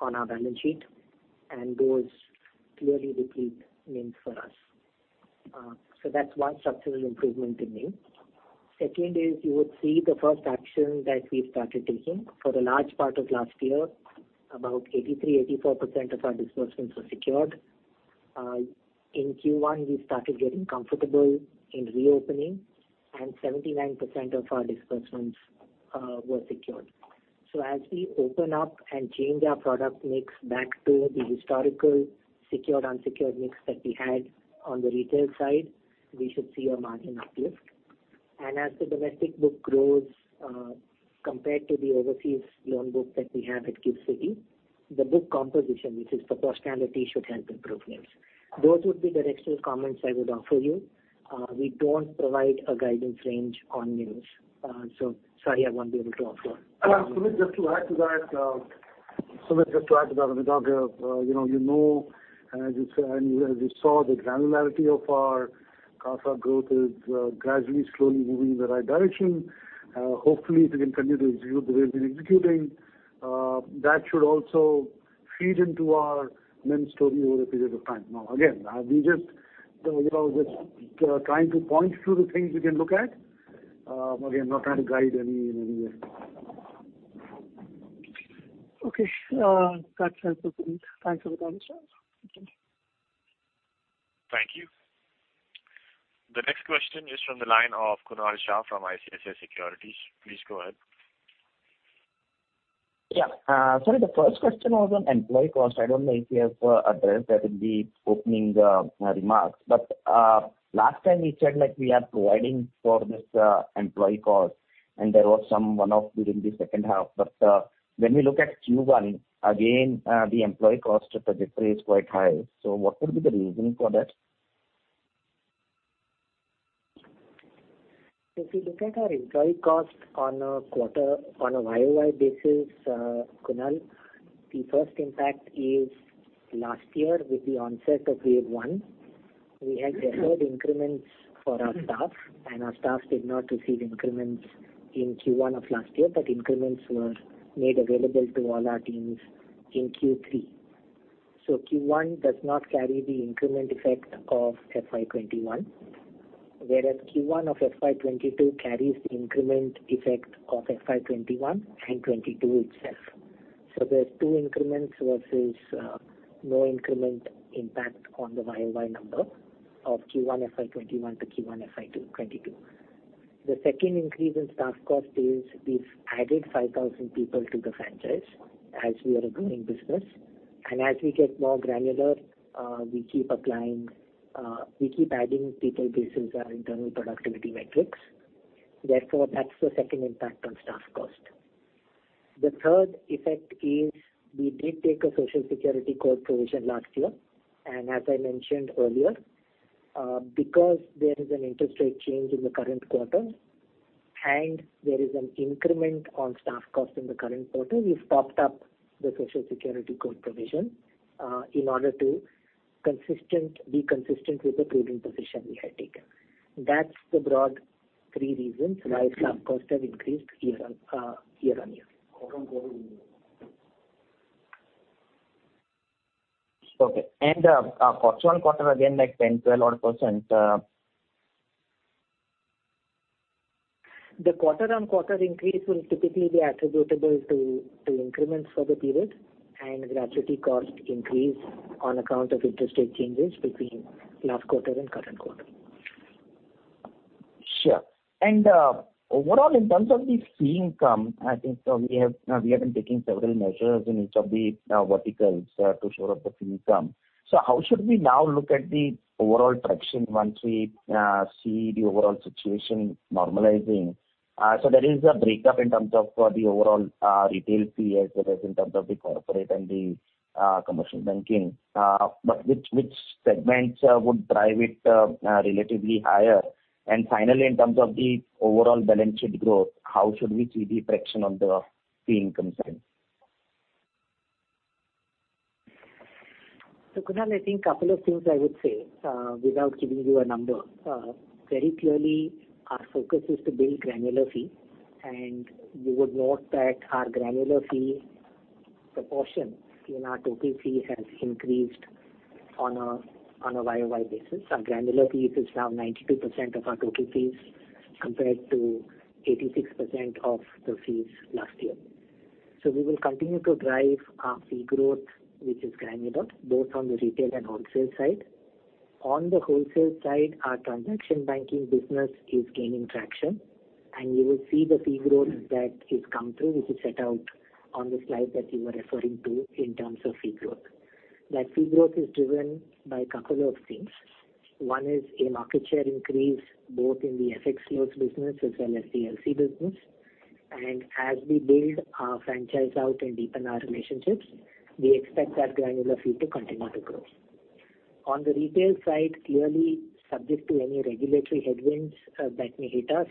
on our balance sheet, those clearly deplete NIMs for us. That's one structural improvement in NIM. Second is you would see the first action that we started taking for a large part of last year. About 83%-84% of our disbursements were secured. In Q1, we started getting comfortable in reopening, 79% of our disbursements were secured. As we open up and change our product mix back to the historical secured-unsecured mix that we had on the retail side, we should see a margin uplift. As the domestic book grows compared to the overseas loan book that we have at GIFT City, the book composition, which is proportionality, should help improve NIMs. Those would be the directional comments I would offer you. We don't provide a guidance range on NIMs. Sorry, I won't be able to offer. Sumeet, just to add to that, sorry I won't be able to offload, you know, as you saw, the granularity of our CASA growth is gradually, slowly moving in the right direction. Hopefully, if we can continue the way we're executing, that should also feed into our NIM story over a period of time. Again, we're just trying to point to the things we can look at. Again, not trying to guide in any way. Okay. That's helpful. Thanks for the answers. Thank you. The next question is from the line of Kunal Shah from ICICI Securities. Please go ahead. Yeah. Sorry, the first question was on employee cost. I don't know if you have addressed that in the opening remarks. Last time you said that we are providing for this employee cost, and there was some one-off during the second half. When we look at Q1, again, the employee cost trajectory is quite high. What could be the reason for that? If you look at our employee cost on a YoY basis, Kunal, the first impact is last year with the onset of wave one. We had deferred increments for our staff, and our staff did not receive increments in Q1 of last year, but increments were made available to all our teams in Q3. So, Q1 does not carry the increment effect of FY 2021, whereas Q1 of FY 2022 carries the increment effect of FY 2021 and 2022 itself. There's two increments versus no increment impact on the YoY number of Q1 FY 2021 to Q1 FY 2022. The second increase in staff cost is we've added 5,000 people to the franchise as we are a growing business. As we get more granular, we keep adding people based on our internal productivity metrics. Therefore, that's the second impact on staff cost. The third effect is we did take a Social Security Code provision last year. As I mentioned earlier, because there is an interest rate change in the current quarter, and there is an increment on staff cost in the current quarter, we've topped up the Social Security Code provision in order to be consistent with the prudent position we had taken. That's the broad three reasons why staff costs have increased YoY. Okay. Quarter-on-quarter again, like 10, 12 odd percent? The quarter-on-quarter increase will typically be attributable to increments for the period and gratuity cost increase on account of interest rate changes between last quarter and current quarter. Sure. Overall, in terms of the fee income, I think we have been taking several measures in each of the verticals to shore up the fee income. How should we now look at the overall traction once we see the overall situation normalizing? There is a breakup in terms of the overall retail fee as well as in terms of the corporate and the commercial banking. Which segments would drive it relatively higher? Finally, in terms of the overall balance sheet growth, how should we see the traction on the fee income side? Kunal, I think couple of things I would say, without giving you a number. Very clearly, our focus is to build granular fee. You would note that our granular fee proportion in our total fee has increased on a Yoy basis. Our granular fees is now 92% of our total fees, compared to 86% of the fees last year. We will continue to drive our fee growth, which is granular, both on the retail and wholesale side. On the wholesale side, our transaction banking business is gaining traction, and you will see the fee growth that is coming through, which is set out on the slide that you were referring to in terms of fee growth. That fee growth is driven by a couple of things. One is a market share increase both in the FX flows business as well as the LC business. As we build our franchise out and deepen our relationships, we expect that granular fee to continue to grow. On the retail side, clearly subject to any regulatory headwinds that may hit us,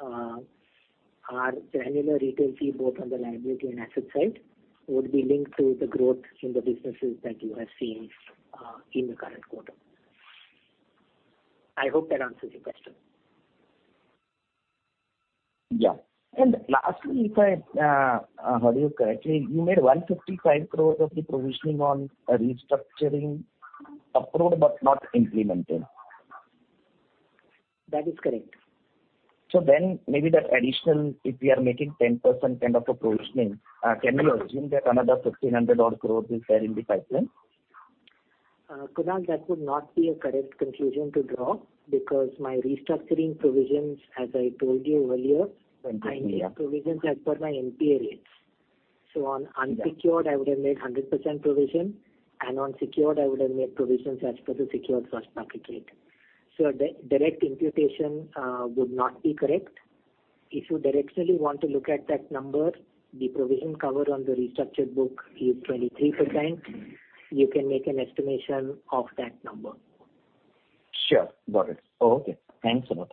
our granular retail fee both on the liability and asset side would be linked to the growth in the businesses that you have seen in the current quarter. I hope that answers your question. Yeah. Lastly, actually, you made 155 crores of the provisioning on restructuring approved but not implemented. That is correct. Maybe that additional, if we are making 10% kind of a provisioning, can we assume that another 1,500 odd crore is there in the pipeline? Kunal, that would not be a correct conclusion to draw because my restructuring provisions, as I told you earlier. Okay. Yeah. My provisions as per my NPA rates. On unsecured, I would have made 100% provision, and on secured, I would have made provisions as per the. [inaudible] Direct imputation would not be correct. If you directionally want to look at that number, the provision cover on the restructured book is 23%. You can make an estimation of that number. Sure. Got it. Okay. Thanks a lot.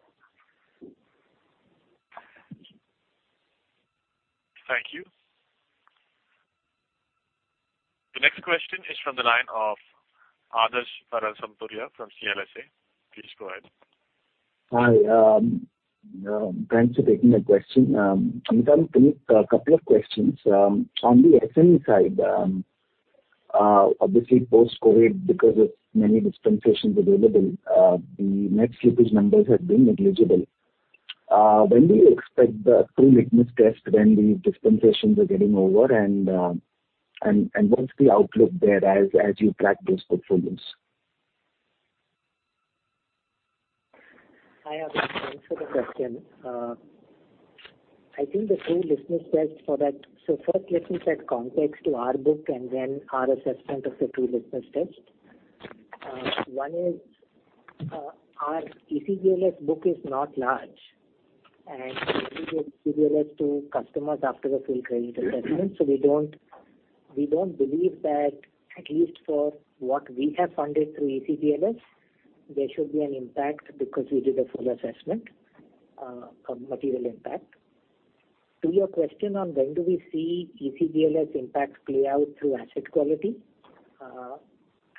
Thank you. The next question is from the line of Adarsh Parasrampuria from CLSA. Please go ahead. Hi. Thanks for taking the question. Amitabh, Puneet, couple of questions. On the SME side, obviously post-COVID, because of many dispensations available, the net slippage numbers have been negligible. When do you expect the true litmus test when the dispensations are getting over and, what's the outlook there as you track those portfolios? Hi, Adarsh. Thanks for the question. I think the true litmus test for that. First let me set context to our book and then our assessment of the true litmus test. One is, our ECLGS book is not large, and we do ECLGS to customers after the full credit assessment. We don't believe that at least for what we have funded through ECLGS, there should be an impact because we did a full assessment of material impact. To your question on when do we see ECLGS impact play out through asset quality?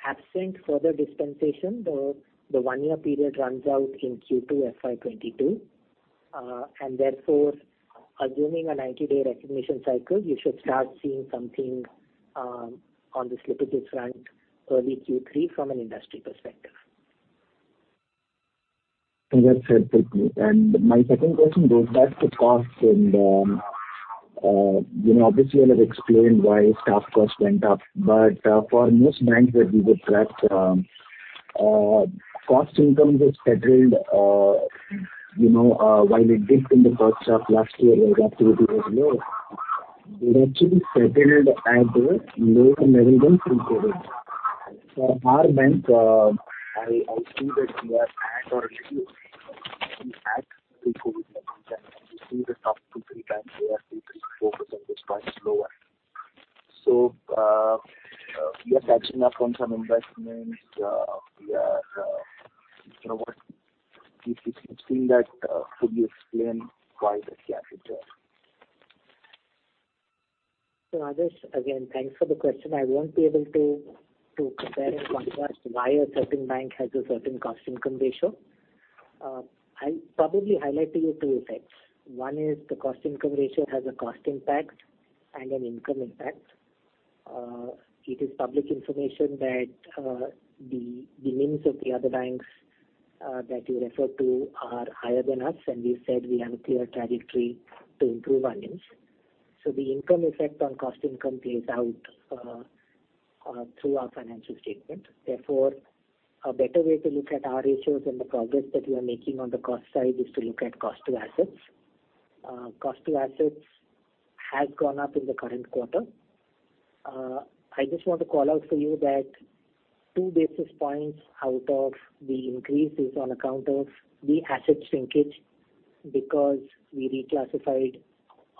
Absent further dispensation, the one-year period runs out in Q2 FY 2022. Therefore, assuming a 90-day recognition cycle, you should start seeing something on the slippage front early Q3 from an industry perspective. That's helpful. My second question goes back to costs, obviously, I have explained why staff cost went up, but for most banks that we would track, cost income is settled, you know, while it dipped in the first half of last year as activity was low. It actually settled at a lower level than pre-COVID. For our bank, I see that we are at or a little at pre-COVID levels and you see the top two, three banks, they are 3%-4%+ lower. We are catching up on some investments. We are seeing that fully explain why the gap is there. Adarsh, again, thanks for the question. I won't be able to compare and contrast why a certain bank has a certain cost income ratio. I'll probably highlight to you two effects. One is the cost income ratio has a cost impact and an income impact. It is public information that the NIMS of the other banks that you referred to are higher than us, and we said we have a clear trajectory to improve our NIMS. The income effect on cost income plays out through our financial statement. Therefore, a better way to look at our ratios and the progress that we are making on the cost side is to look at cost to assets. Cost to assets has gone up in the current quarter. I just want to call out for you that 2 basis points out of the increase is on account of the asset shrinkage because we reclassified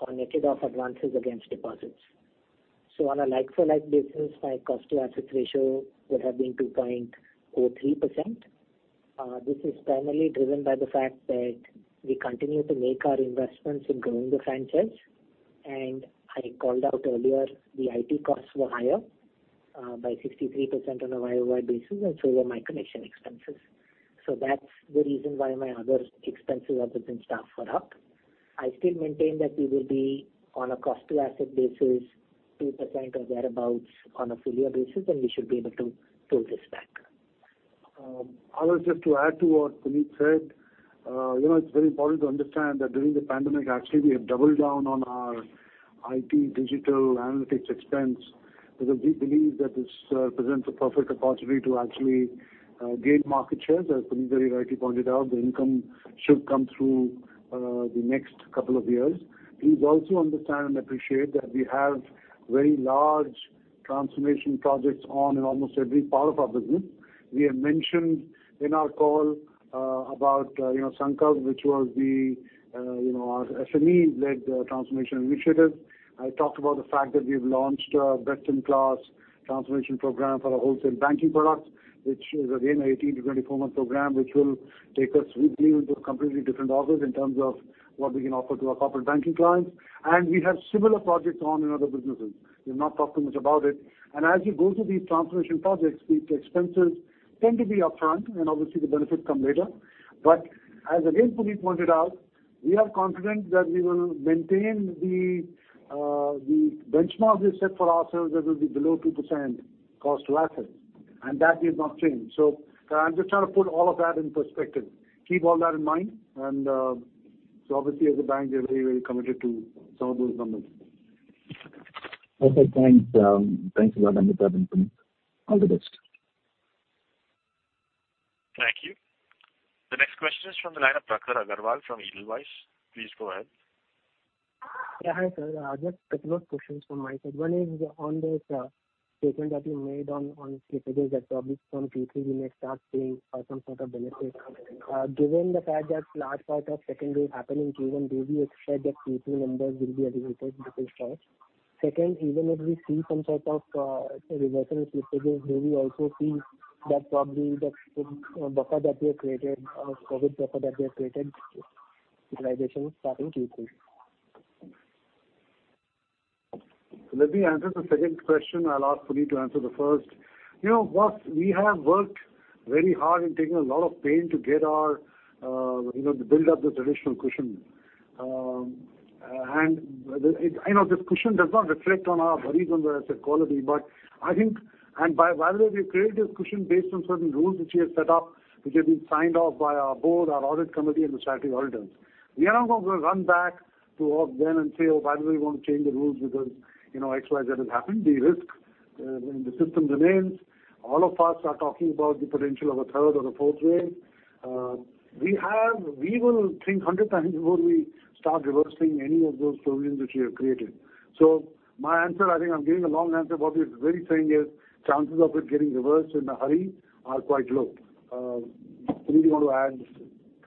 or netted off advances against deposits. On a like-for-like basis, my cost to assets ratio would have been 2.03%. This is primarily driven by the fact that we continue to make our investments in growing the franchise. I called out earlier, the IT costs were higher by 63% on a YoY basis and so were my commission expenses. That's the reason why my other expenses other than staff were up. I still maintain that we will be on a cost to asset basis, 2% or thereabouts on a full year basis, and we should be able to pull this back. I would like just to add to what Puneet said. It's very important to understand that during the pandemic, actually, we have doubled down on our IT digital analytics expense because we believe that this presents a perfect opportunity to actually gain market share. As Puneet very rightly pointed out, the income should come through the next couple of years. Please also understand and appreciate that we have very large transformation projects on in almost every part of our business. We have mentioned in our call about, you know, Sankalp, which was our, you know, SME-led transformation initiative. I talked about the fact that we've launched a best-in-class transformation program for our Wholesale Banking products, which is again, an 18-24 month program, which will take us well into a completely different orbit in terms of what we can offer to our Corporate Banking clients. We have similar projects on in other businesses. We've not talked too much about it. As you go through these transformation projects, these expenses tend to be upfront and obviously the benefits come later. As again, Puneet pointed out, we are confident that we will maintain the benchmark we have set for ourselves, that will be below 2% cost to assets, and that has not changed. I'm just trying to put all of that in perspective. Keep all that in mind and so obviously as a bank, we are very, very committed to some of those numbers. Okay. Thanks a lot, Amitabh and Puneet. All the best. Thank you. The next question is from the line of Prakhar Agarwal from Edelweiss. Please go ahead. Yeah. Hi, sir. Just a couple of questions from my side. One is on this statement that you made on slippages that probably from Q3 we may start seeing some sort of benefit. Given the fact that large part of second wave happened in Q1, do we expect that Q3 numbers will be aggregated before start? Second, even if we see some sort of reversal in slippages, may we also see that probably the buffer that we have created, our COVID buffer that we have created, utilization starting Q3? Let me answer the second question. I will ask Puneet to answer the first. Boss, we have worked very hard in taking a lot of pain to build up this additional cushion. I know, this cushion does not reflect on our belief on the asset quality, but I think, by the way, we create this cushion based on certain rules which we have set up, which have been signed off by our board, our audit committee, and the statutory auditors. We are not going to run back to all of them and say, oh, by the way, we want to change the rules because, you know, exercise that has happened. The risk in the system remains. All of us are talking about the potential of a third or a fourth wave. We will think 100x before we start reversing any of those provisions which we have created. So my answer, I think I'm giving a long answer, what we're really saying is chances of it getting reversed in a hurry are quite low. Puneet, you want to add?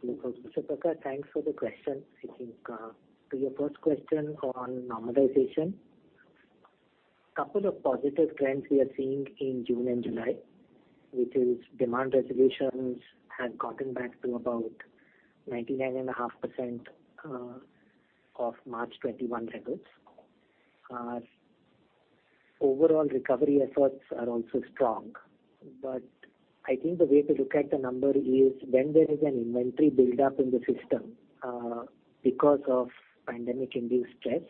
Sure. Prakhar, thanks for the question. I think to your first question on normalization, couple of positive trends we are seeing in June and July, which is demand resolutions have gotten back to about 99.5% of March 2021 levels. Our overall recovery efforts are also strong. I think the way to look at the number is when there is an inventory buildup in the system because of pandemic-induced stress,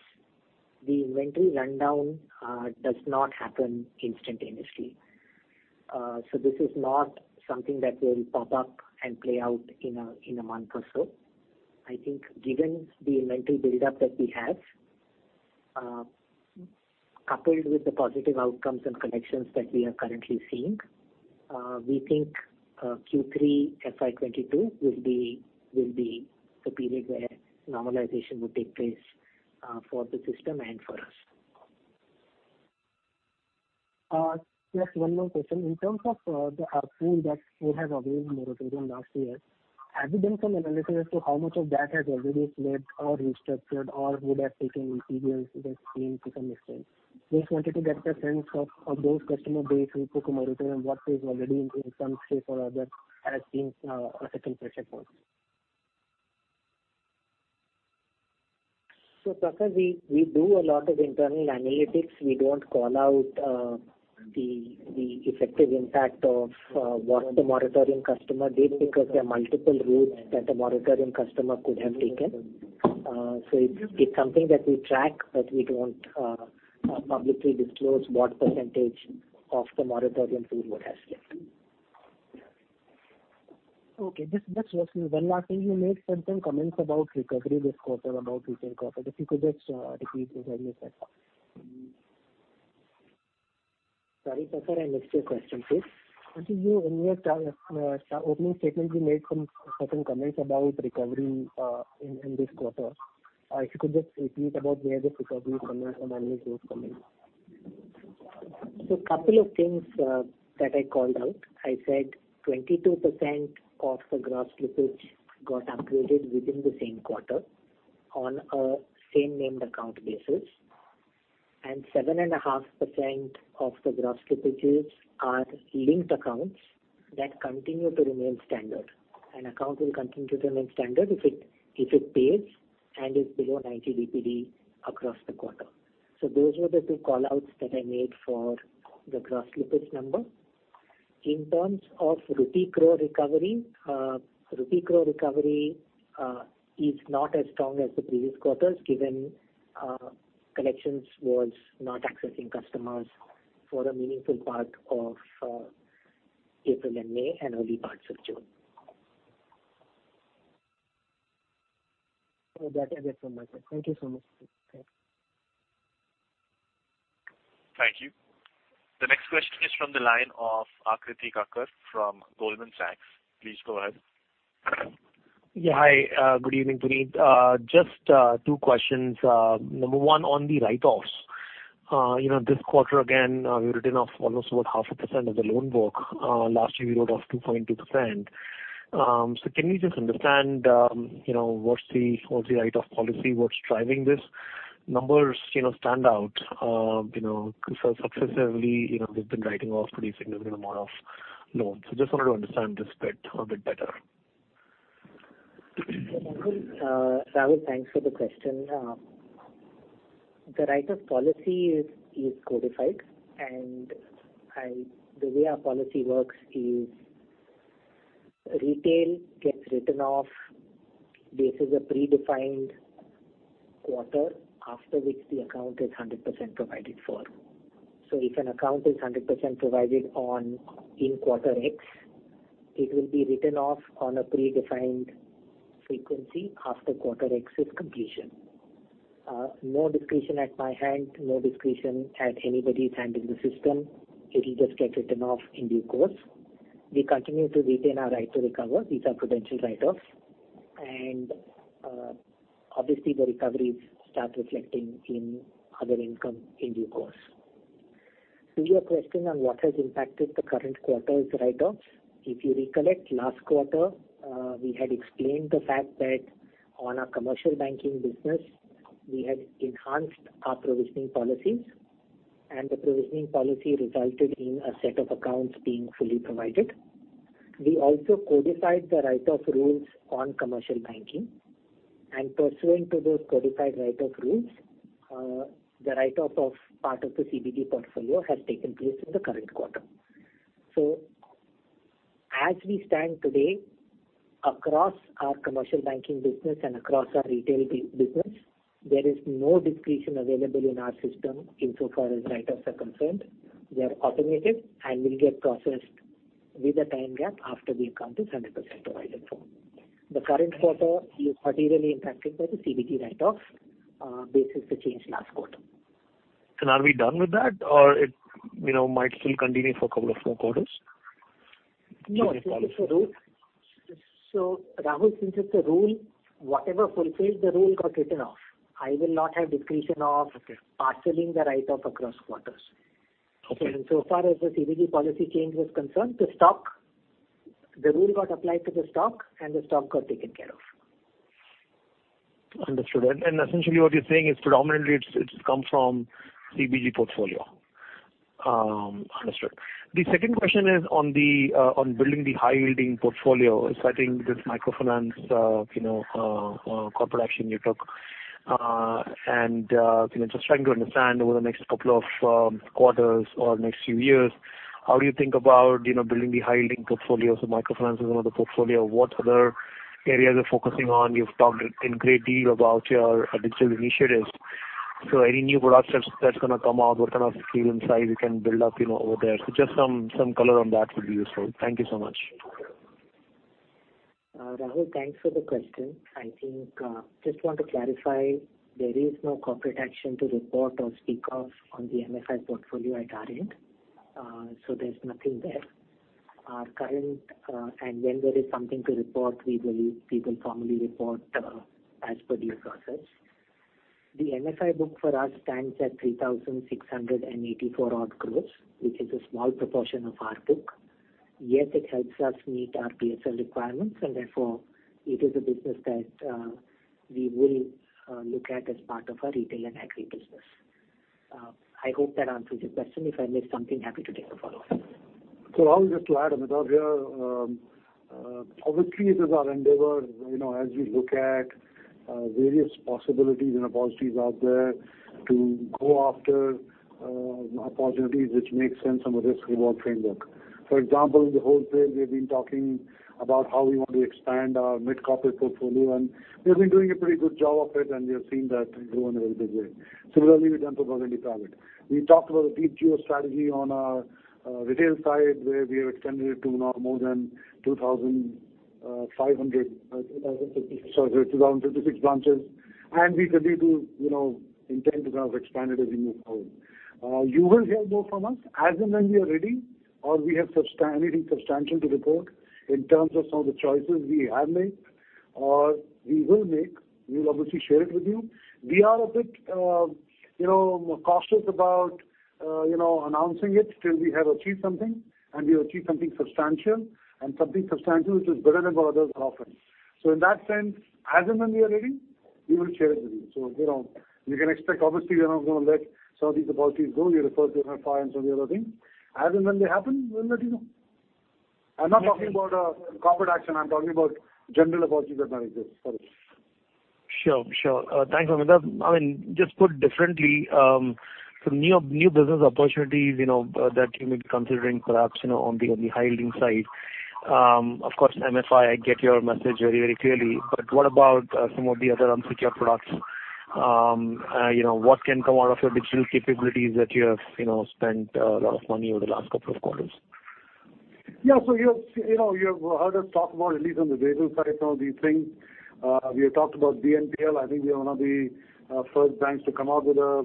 the inventory rundown does not happen instantaneously. This is not something that will pop up and play out in a month or so. I think given the inventory buildup that we have, coupled with the positive outcomes and collections that we are currently seeing, we think Q3 FY 2022 will be the period where normalization will take place for the system and for us. Just one more question. In terms of the pool that would have availed moratorium last year, have you done some analysis as to how much of that has already slipped or restructured or would have taken in years to just clean to some extent? Just wanted to get a sense of those customer base who took a moratorium, what is already in some shape or other has been a second pressure point. Prakhar, we do a lot of internal analytics. We don't call out the effective impact of what the moratorium customer did because there are multiple routes that a moratorium customer could have taken. It's something that we track, but we don't publicly disclose what percentage of the moratorium pool would have slipped. Okay, just one last thing. You made certain comments about recovery this quarter, about retail quarter. If you could just repeat those comments as well. Sorry, Prakhar. I missed your question, please. In your opening statement, you made some certain comments about recovery in this quarter. If you could just repeat about where the recovery comments and annual growth comments? Couple of things that I called out. I said 22% of the gross slippage got upgraded within the same quarter on a same named account basis, and 7.5% of the gross slippages are linked accounts that continue to remain standard. An account will continue to remain standard if it pays and is below 90 DPD across the quarter. Those were the two call-outs that I made for the gross slippage number. In terms of rupee crore recovery, rupee crore recovery is not as strong as the previous quarters, given collections was not accessing customers for a meaningful part of April and May and early parts of June. That's it from my side. Thank you so much. Thank you. The next question is from the line of Rahul Jain from Goldman Sachs. Please go ahead. Yeah. Hi, good evening, Puneet. Just two questions. Number one on the write-offs. You know, this quarter again, we've written off almost about 0.5% of the loan book. Last year we wrote off 2.2%. Can we just understand, you know, what's the write-off policy? What's driving this? Numbers stand out, you know, successively. They've been writing off pretty significant amount of loans. Just wanted to understand this bit a bit better. Rahul, thanks for the question. The write-off policy is codified and the way our policy works is retail gets written off basis a predefined quarter after which the account is 100% provided for. If an account is 100% provided on in quarter X, it will be written off on a predefined frequency after quarter X's completion. No discretion at my hand, no discretion at anybody's hand in the system. It will just get written off in due course. We continue to retain our right to recover. These are prudential write-offs, and obviously the recoveries start reflecting in other income in due course. To your question on what has impacted the current quarter's write-off, if you recollect last quarter, we had explained the fact that on our commercial banking business, we had enhanced our provisioning policies, and the provisioning policy resulted in a set of accounts being fully provided. We also codified the write-off rules on Commercial Banking, and pursuant to those codified write-off rules, the write-off of part of the CBG portfolio has taken place in the current quarter. As we stand today across our Commercial Banking business and across our retail business, there is no discretion available in our system insofar as write-offs are concerned. They're automated and will get processed with a time gap after the account is 100% provided for. The current quarter is materially impacted by the CBG write-offs basis the change last quarter. Are we done with that? It might still continue for a couple of more quarters? No. Can you comment? Rahul, since it's a rule, whatever fulfills the rule got written off. I will not have discretion of— Okay. parceling the write-off across quarters. Okay. So far as the CBG policy change was concerned, the rule got applied to the stock and the stock got taken care of. Understood. Essentially what you're saying is predominantly it's come from CBG portfolio. Understood. The second question is on building the high-yielding portfolio, starting with microfinance, corporate action you took. Just trying to understand over the next couple of quarters or next few years, how do you think about building the high-yielding portfolio. Microfinance is one of the portfolio. What other areas you're focusing on? You've talked in great deal about your digital initiatives. Any new products that's going to come out, what kind of scale and size you can build up over there. Just some color on that will be useful. Thank you so much. Rahul, thanks for the question. I think just want to clarify, there is no corporate action to report or speak of on the MFI portfolio at our end. There's nothing there. When there is something to report, we will formally report as per due process. The MFI book for us stands at 3,684 odd crores, which is a small proportion of our book. Yes, it helps us meet our PSL requirements, and therefore, it is a business that we will look at as part of our retail and agri business. I hope that answers your question. If I missed something, happy to take a follow-up. I'll just add, Amitabh here. Obviously, this is our endeavor, as we look at various possibilities and opportunities out there to go after opportunities which make sense from a risk-reward framework. For example, in the wholesale, we've been talking about how we want to expand our mid-corporate portfolio, and we've been doing a pretty good job of it, and we have seen that grow in a very big way. Similarly, we've done for priority private. We talked about a big geo strategy on our retail side, where we have extended it to now more than 2,056 branches. We continue to intend to expand it as we move forward. You will hear more from us as and when we are ready or we have anything substantial to report in terms of some of the choices we have made or we will make. We'll obviously share it with you. We are a bit cautious about, you know, announcing it till we have achieved something and we achieve something substantial, and something substantial which is better than what others offer. In that sense, as and when we are ready, we will share it with you. You can expect, obviously, we are not going to let some of these opportunities go. You referred to MFI and some of the other things. As and when they happen, we'll let you know. I'm not talking about a corporate action, I'm talking about general opportunities that may exist. Sorry. Sure. Thanks, Amit. Just put differently, some new business opportunities that you may be considering perhaps on the high-yielding side. Of course, MFI, I get your message very clearly. What about some of the other unsecured products? You know, what can come out of your digital capabilities that you have, you know, spent a lot of money over the last couple of quarters? Yeah. You have heard us talk about, at least on the retail side, some of these things. We have talked about BNPL. I think we are one of the first banks to come out with a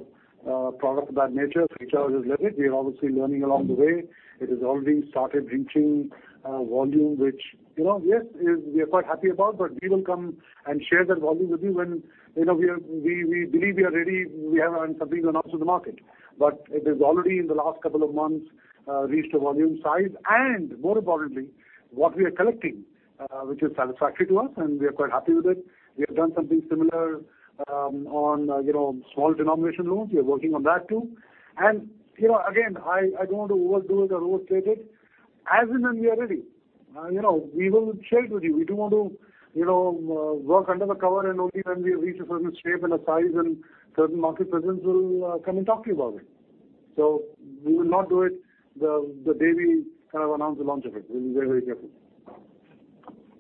product of that nature. Feedback was limited. We are obviously learning along the way. It has already started inching volume, which, yes, we are quite happy about, but we will come and share that volume with you when we believe we are ready and have something to announce to the market. It has already, in the last couple of months, reached a volume size and more importantly, what we are collecting, which is satisfactory to us, and we are quite happy with it. We have done something similar on small denomination loans. We are working on that too. And you know, again, I don't want to overdo it or overstate it. As and when we are ready, you know, we will share it with you. We do want to work under the cover and only when we have reached a certain shape and a size and certain market presence will come and talk to you about it. We will not do it the day we announce the launch of it. We'll be very careful.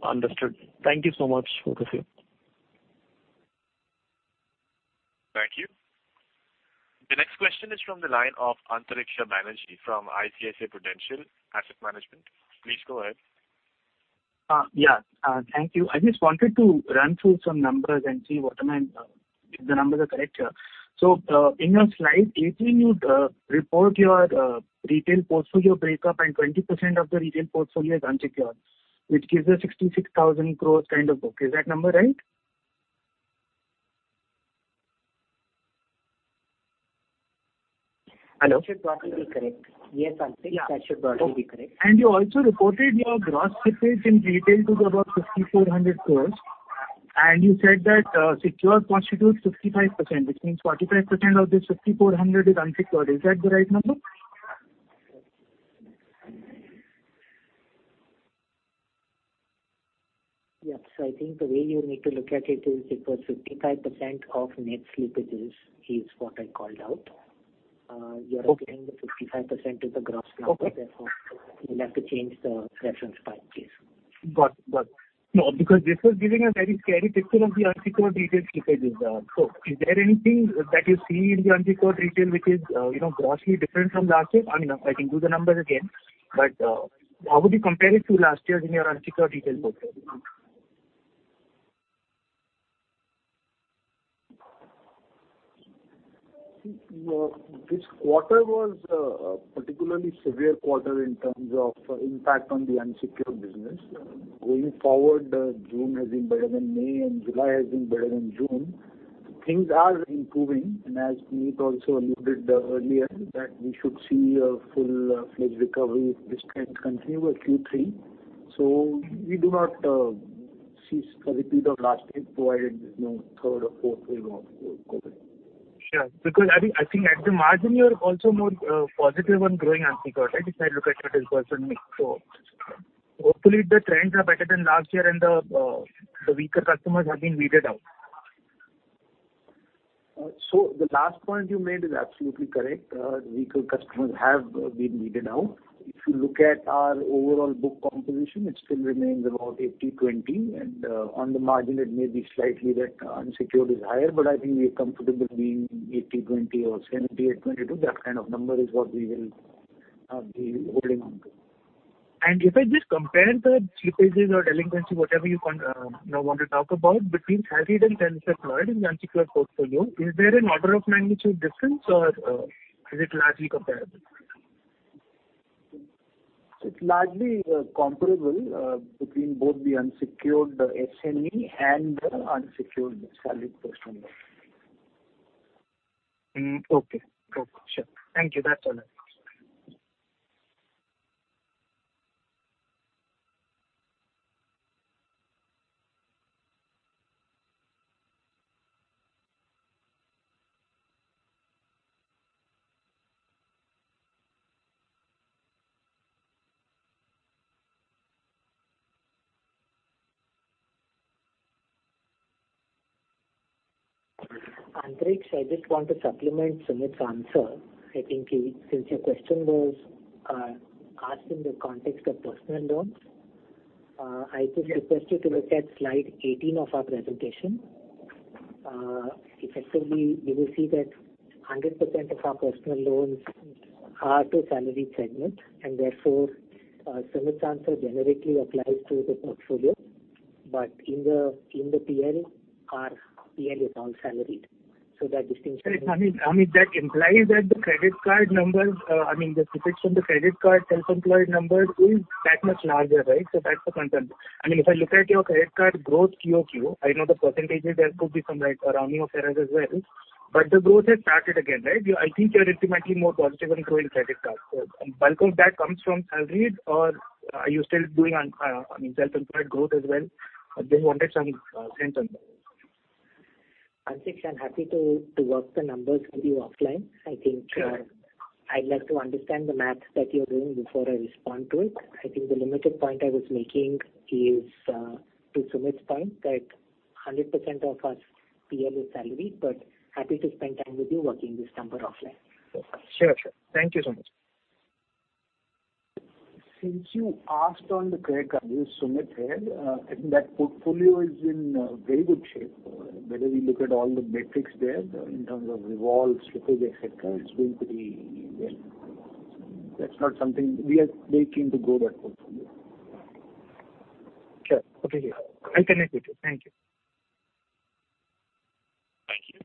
Understood. Thank you so much, both of you. Thank you. The next question is from the line of Antariksha Banerjee from ICICI Prudential Asset Management. Please go ahead. Yeah. Thank you. I just wanted to run through some numbers and see if the numbers are correct here. In your slide, you report your retail portfolio breakup and 20% of the retail portfolio is unsecured, which gives a 66,000 crores kind of book. Is that number right? Hello? That should broadly be correct. Yes, Antariksha, that should broadly be correct. You also reported your gross slippage in retail to be about 6,400 crore and you said that secured constitutes 65%, which means 45% of this 6,400 crore is unsecured. Is that the right number? Yes. I think the way you need to look at it is because 55% of net slippages is what I called out. You're not getting them 55% to the. Okay. Therefore, you'll have to change the reference point please. Got it. No, because this was giving a very scary picture of the unsecured retail slippages. Is there anything that you see in the unsecured retail, which is grossly different from last year? I can do the numbers again, how would you compare it to last year in your unsecured retail book? This quarter was a particularly severe quarter in terms of impact on the unsecured business. Going forward, June has been better than May and July has been better than June. Things are improving and as Puneet also alluded earlier that we should see a full-fledged recovery if this trend continue at Q3. We do not see a repeat of last year provided there's no third or fourth wave of COVID. Sure. I think at the margin you're also more positive on growing unsecured, right? If I look at your mix. Hopefully the trends are better than last year and the weaker customers have been weeded out. The last point you made is absolutely correct. Weaker customers have been weeded out. If you look at our overall book composition, it still remains about 80/20 and on the margin it may be slightly that unsecured is higher, but I think we are comfortable being 80/20 or 70/20. That kind of number is what we will be holding on to. If I just compare the slippages or delinquency, whatever you now want to talk about between salaried and self-employed in the unsecured portfolio, is there an order of magnitude difference or is it largely comparable? It's largely comparable between both the unsecured SME and the unsecured salaried customer. Okay. Sure. Thank you. That's all. Antariksha, I just want to supplement Sumit's answer. I think since your question was asked in the context of personal loans, I just request you to look at slide 18 of our presentation. Effectively, you will see that 100% of our personal loans are to salaried segment and therefore, Sumit's answer generically applies to the portfolio, but in the PL, our PL is all salaried. I mean, that implies that the credit card numbers, I mean the proportion to credit card self-employed numbers is that much larger, right? That's the concern. I mean, if I look at your credit card growth [quarter-on-quarter], I know the percentages there could be some rounding off errors as well. The growth has started again, right? I think you are ultimately more positive on growing credit cards. Bulk of that comes from salaried or are you still doing self-employed growth as well? I just wanted some sense on that. Antariksha, I'm happy to work the numbers with you offline. Sure. I'd like to understand the math that you're doing before I respond to it. I think the limited point I was making is to Sumit's point that 100% of our PL is salaried. But happy to spend time with you working this number offline. Sure. Thank you so much. Since you asked on the credit card, as Sumeet said, I think that portfolio is in very good shape. Whether you look at all the metrics there in terms of revolves, slippage, et cetera, it's doing pretty well. We are very keen to grow that portfolio. Sure. Okay. I connect with you. Thank you. Thank you.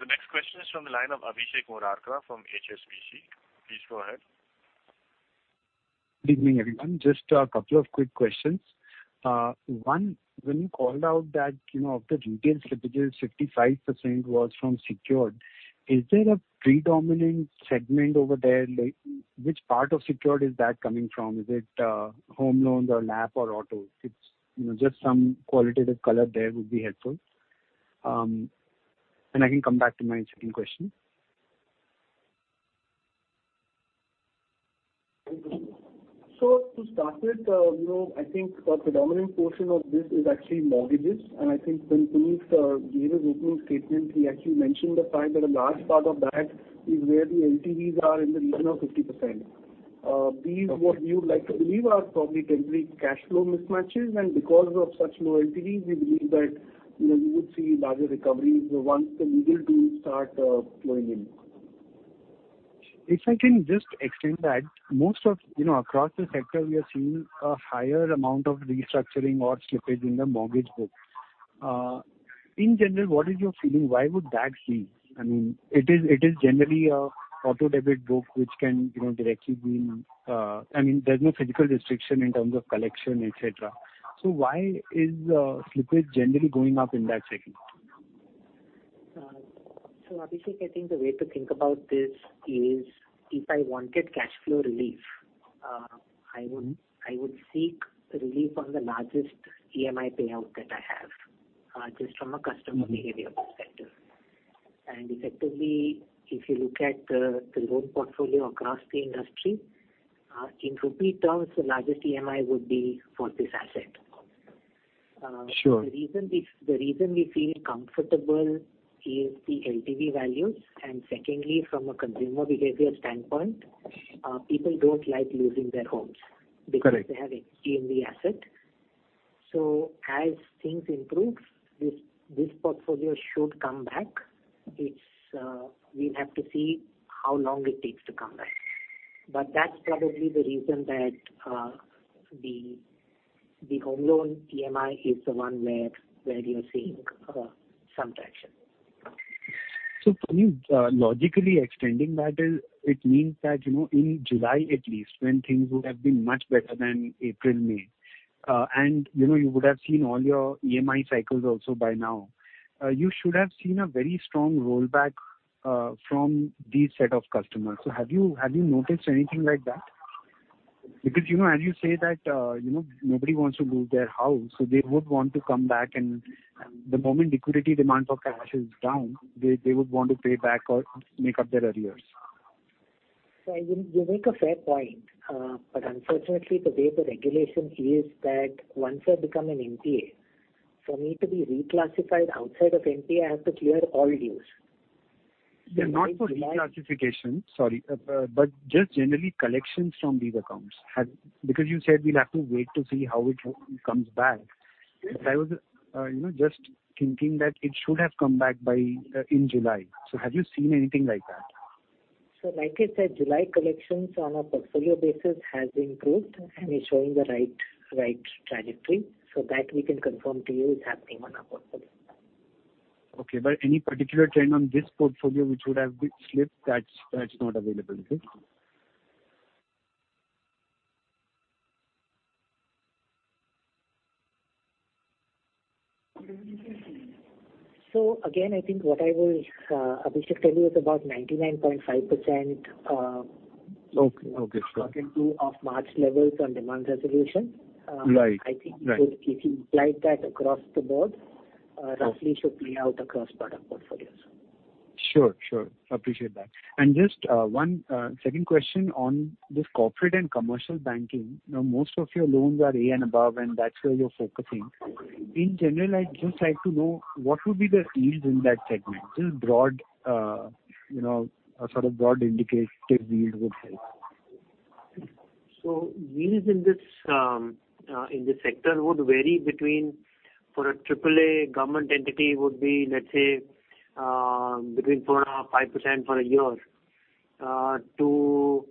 The next question is from the line of Abhishek Murarka from HSBC. Please go ahead. Good evening, everyone. Just a couple of quick questions. When you called out that of the retail slippage is 55% was from secured, is there a predominant segment over there? Which part of secured is that coming from? Is it home loans or LAP or auto? Just some qualitative color there would be helpful. I can come back to my second question. To start with, I think a predominant portion of this is actually mortgages, I think when Puneet gave his opening statement, he actually mentioned the fact that a large part of that is where the LTVs are in the region of 50%. These, what we would like to believe are probably temporary cash flow mismatches. Because of such low LTVs, we believe that we would see larger recoveries once the do start flowing in. If I can just extend that. Most of, you know, across the sector, we are seeing a higher amount of restructuring or slippage in the mortgage book. In general, what is your feeling? Why would that be? I mean, it is generally an auto debit book, which can directly be, I mean, there's no physical restriction in terms of collection, et cetera. Why is slippage generally going up in that segment? Abhishek, I think the way to think about this is if I wanted cash flow relief, I would seek relief on the largest EMI payout that I have, just from a customer behavior perspective. Effectively, if you look at the loan portfolio across the industry, in rupee terms, the largest EMI would be for this asset. Sure. The reason we feel comfortable is the LTV values, and secondly, from a consumer behavior standpoint, people don't like losing their homes— Correct. they have a CBG asset. As things improve, this portfolio should come back. We'll have to see how long it takes to come back. That's probably the reason that the home loan EMI is the one where you're seeing some traction. Puneet, logically extending that, it means that in July at least, when things would have been much better than April, May, and you would have seen all your EMI cycles also by now. You should have seen a very strong rollback from these set of customers. Have you noticed anything like that? Because as you say that nobody wants to lose their house, so they would want to come back and the moment liquidity demand for cash is down, they would want to pay back or make up their arrears. You make a fair point. Unfortunately, the way the regulation is that once I become an NPA. For me to be reclassified outside of NPA, I have to clear all dues. Yeah, not for reclassification, sorry. Just generally collections from these accounts. Because you said we'll have to wait to see how it comes back. Yes. I was just thinking that it should have come back in July. Have you seen anything like that? Like I said, July collections on a portfolio basis has improved and is showing the right trajectory. That we can confirm to you is happening on our portfolio. Okay. Any particular trend on this portfolio which would have slipped that's not available, is it? I think what I would, Abhishek, tell you is about 99.5%— Okay. Sure. of March levels on demand resolution. Right. I think if you apply that across the board, roughly should play out across product portfolios. Sure. Appreciate that. Just second question on this corporate and commercial banking. Now, most of your loans are A and above, and that's where you're focusing. In general, I'd just like to know what would be the yields in that segment? You know, just a sort of broad indicative yield would help. Yields in this sector would vary between, for a AAA government entity would be, let's say, between 4%-5% for a year, to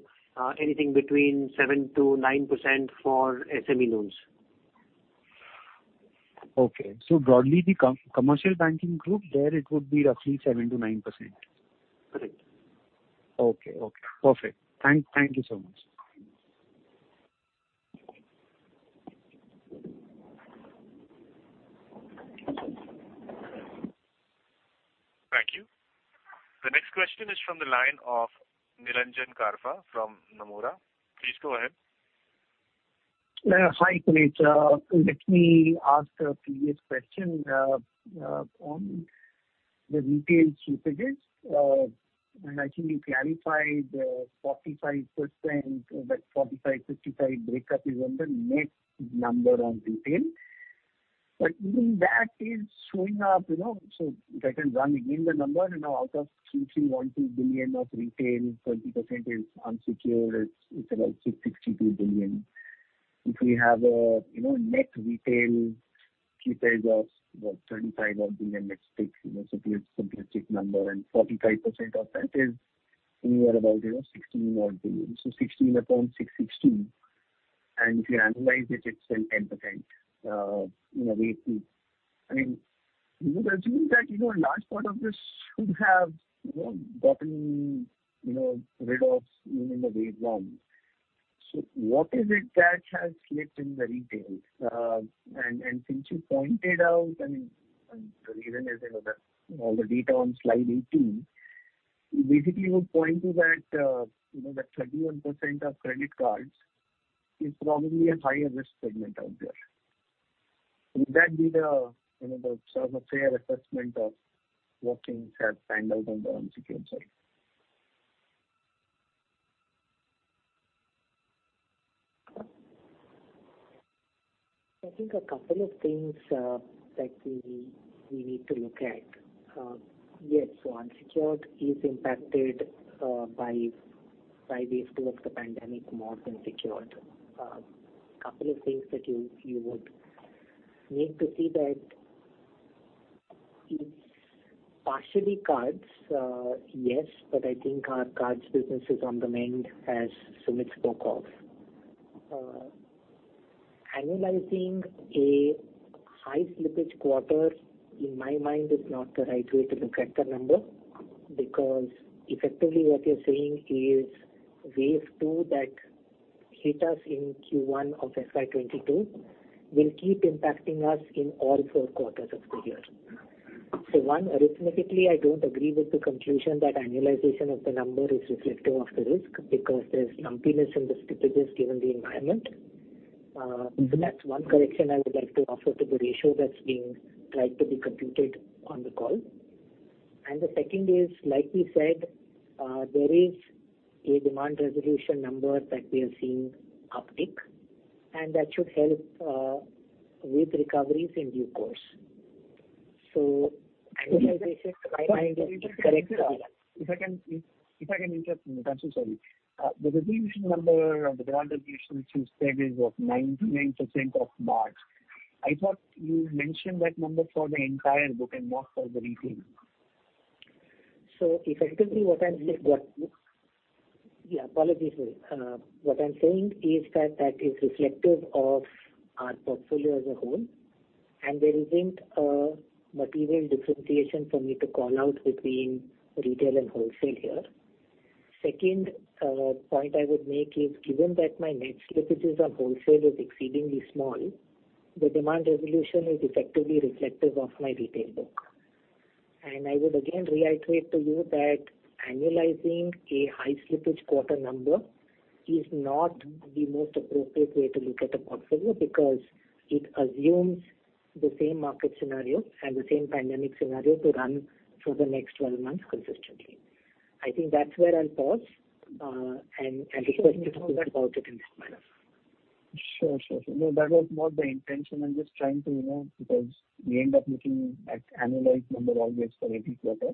anything between 7%-9% for SME loans. Okay. Broadly the Commercial Banking Group there it would be roughly 7%-9%. Correct. Okay. Perfect. Thank you so much. Thank you. The next question is from the line of Nilanjan Karfa from Nomura. Please go ahead. Hi, Puneet. Let me ask a previous question on the retail slippages. I think you clarified 45% like 45%-55% breakup is on the net number on retail. Even that is showing up. If I can run again the number, out of 312 billion of retail, 20% is unsecured. It's about 62 billion. If we have a net retail slippage of what, 35 odd billion, let's take, it's a simplistic number, 45% of that is anywhere about 16 odd billion. A 16 billion upon 616, if you annualize it's 10% rate. You know, I mean, would assume that a large part of this should have gotten rid of even in the wave one. What is it that has slipped in the retail? Since you pointed out, and even as all the data on slide 18, you basically would point to that 31% of credit cards is probably a higher risk segment out there. Would that be the sort of a fair assessment of what things have panned out on the unsecured side? I think a couple of things that we need to look at. Unsecured is impacted by wave two of the pandemic more than secured. Couple of things that you would need to see that it's partially cards, yes, but I think our cards business is on the mend as Sumit spoke of. Annualizing a high slippage quarter, in my mind, is not the right way to look at the number because effectively what you're saying is wave two that hit us in Q1 of FY 2022 will keep impacting us in all four quarters of the year. One, arithmetically, I don't agree with the conclusion that annualization of the number is reflective of the risk because there's lumpiness in the slippages given the environment. And the next one correction I would like to offer to the ratio that's being tried to be computed on the call. The second is, like we said, there is a demand resolution number that we are seeing uptick, and that should help with recoveries in due course. Annualization, in my mind is incorrect. If I can interrupt, Puneet, sorry. The resolution number or the demand resolution you said is what, 99% of March? I thought you mentioned that number for the entire book and not for the retail. Effectively what I'm saying is that is reflective of our portfolio as a whole, and there isn't a material differentiation for me to call out between retail and wholesale here. Second point I would make is given that my net slippages on wholesale is exceedingly small, the demand resolution is effectively reflective of my retail book. I would again reiterate to you that annualizing a high slippage quarter number is not the most appropriate way to look at a portfolio because it assumes the same market scenario and the same pandemic scenario to run for the next 12 months consistently. I think that's where I'll pause and request you to talk about it in that manner. Sure. No, that was not the intention. I am just trying to know because we end up looking at annualized numbers always for every quarter.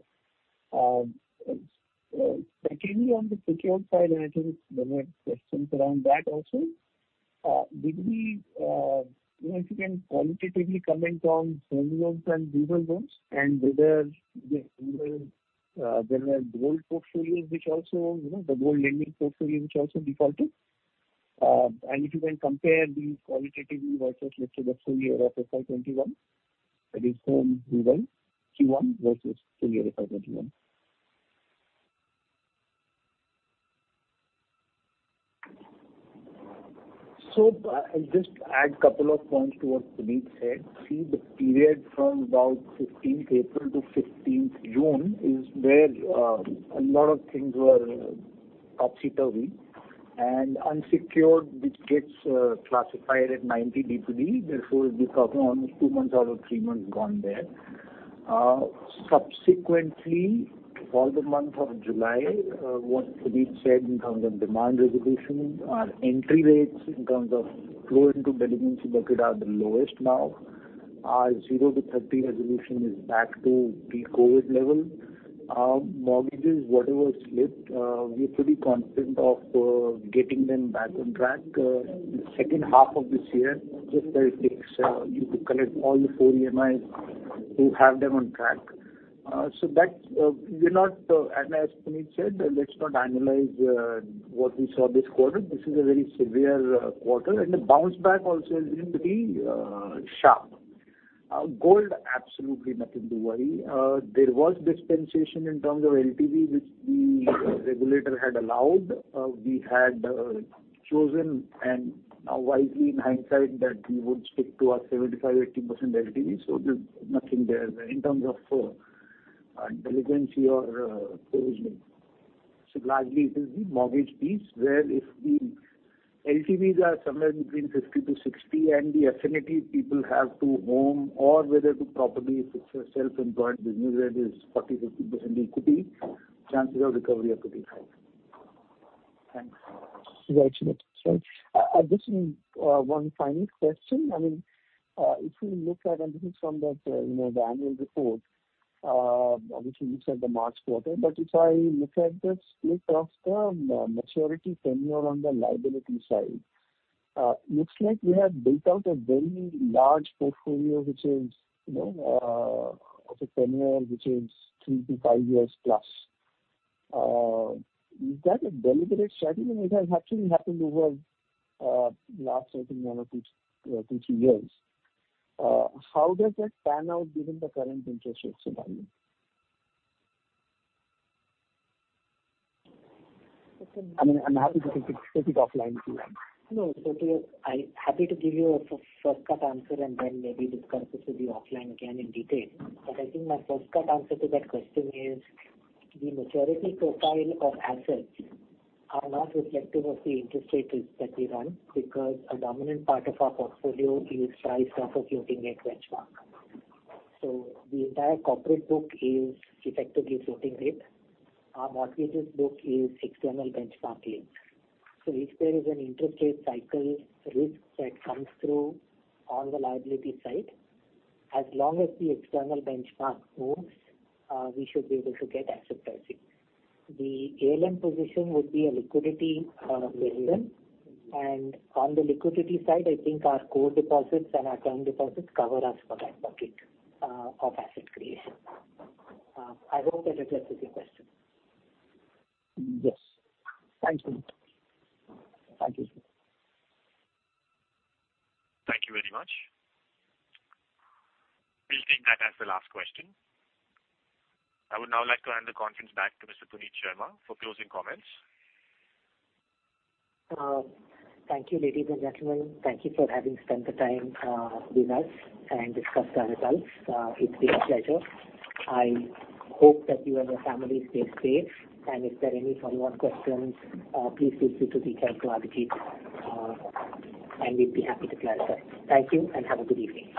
Technically on the secured side, I think there were questions around that also. If you can qualitatively comment on home loans and regular loans and whether there were gold portfolios, the gold lending portfolio, which also defaulted. If you can compare these qualitatively versus let's say the full year of FY 2021, that is home loan Q1 versus full year of FY 2021. I'll just add a couple of points to what Puneet said. The period from about April 15th to June 15th is where a lot of things were topsy-turvy and unsecured, which gets classified at 90 DPD, therefore you're talking almost two months out of three months gone there. Subsequently, for the month of July, what Puneet said in terms of demand resolution, our entry rates in terms of flow into delinquency bucket are the lowest now. Our 0-30 resolution is back to pre-COVID level. Mortgages, whatever slipped, we are pretty confident of getting them back on track in the second half of this year, just that it takes you to collect all the four EMIs to have them on track. As Puneet said, let's not annualize what we saw this quarter. This is a very severe quarter, and the bounce back also is very sharp. Gold, absolutely nothing to worry. There was dispensation in terms of LTV, which the regulator had allowed. We had chosen, and wisely in hindsight, that we would stick to our 75%-80% LTV. There's nothing there in terms of delinquency or provisioning. Largely it is the mortgage piece where if the LTVs are somewhere between 50%-60% and the affinity people have to home or whether the property, if it's a self-employed business where there's 40%, 50% equity, chances of recovery are pretty high. Thanks. Just one final question. This is from the annual report, which releases the March quarter. If I look at the split of the maturity tenure on the liability side, looks like we have built out a very large portfolio of a tenure which is three to five years plus. Is that a deliberate strategy? It has actually happened over the last, I think, one or two, three years. How does that pan out given the current interest rates environment? I'm happy to take it offline too. No. I'm happy to give you a first cut answer and then maybe discuss this with you offline again in detail. I think my first cut answer to that question is the maturity profile of assets are not reflective of the interest rate risk that we run because a dominant part of our portfolio is priced off a floating rate benchmark. The entire corporate book is effectively floating rate. Our mortgages book is external benchmark linked. If there is an interest rate cycle risk that comes through on the liability side, as long as the external benchmark moves we should be able to get asset pricing. The ALM position would be a liquidity driven, and on the liquidity side, I think our core deposits and our term deposits cover us for that bucket of asset creation. I hope that addresses your question. Yes. Thank you. Thank you. Thank you very much. We will take that as the last question. I would now like to hand the conference back to Mr. Puneet Sharma for closing comments. Thank you, ladies and gentlemen. Thank you for having spent the time with us and discussed our results. It's been a pleasure. I hope that you and your families stay safe. If there are any follow-up questions, please feel free to reach out to Abhijit, and we'd be happy to clarify. Thank you. Have a good evening.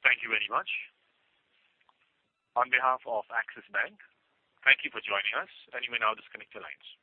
Thank you very much. On behalf of Axis Bank, thank you for joining us and you may now disconnect your lines.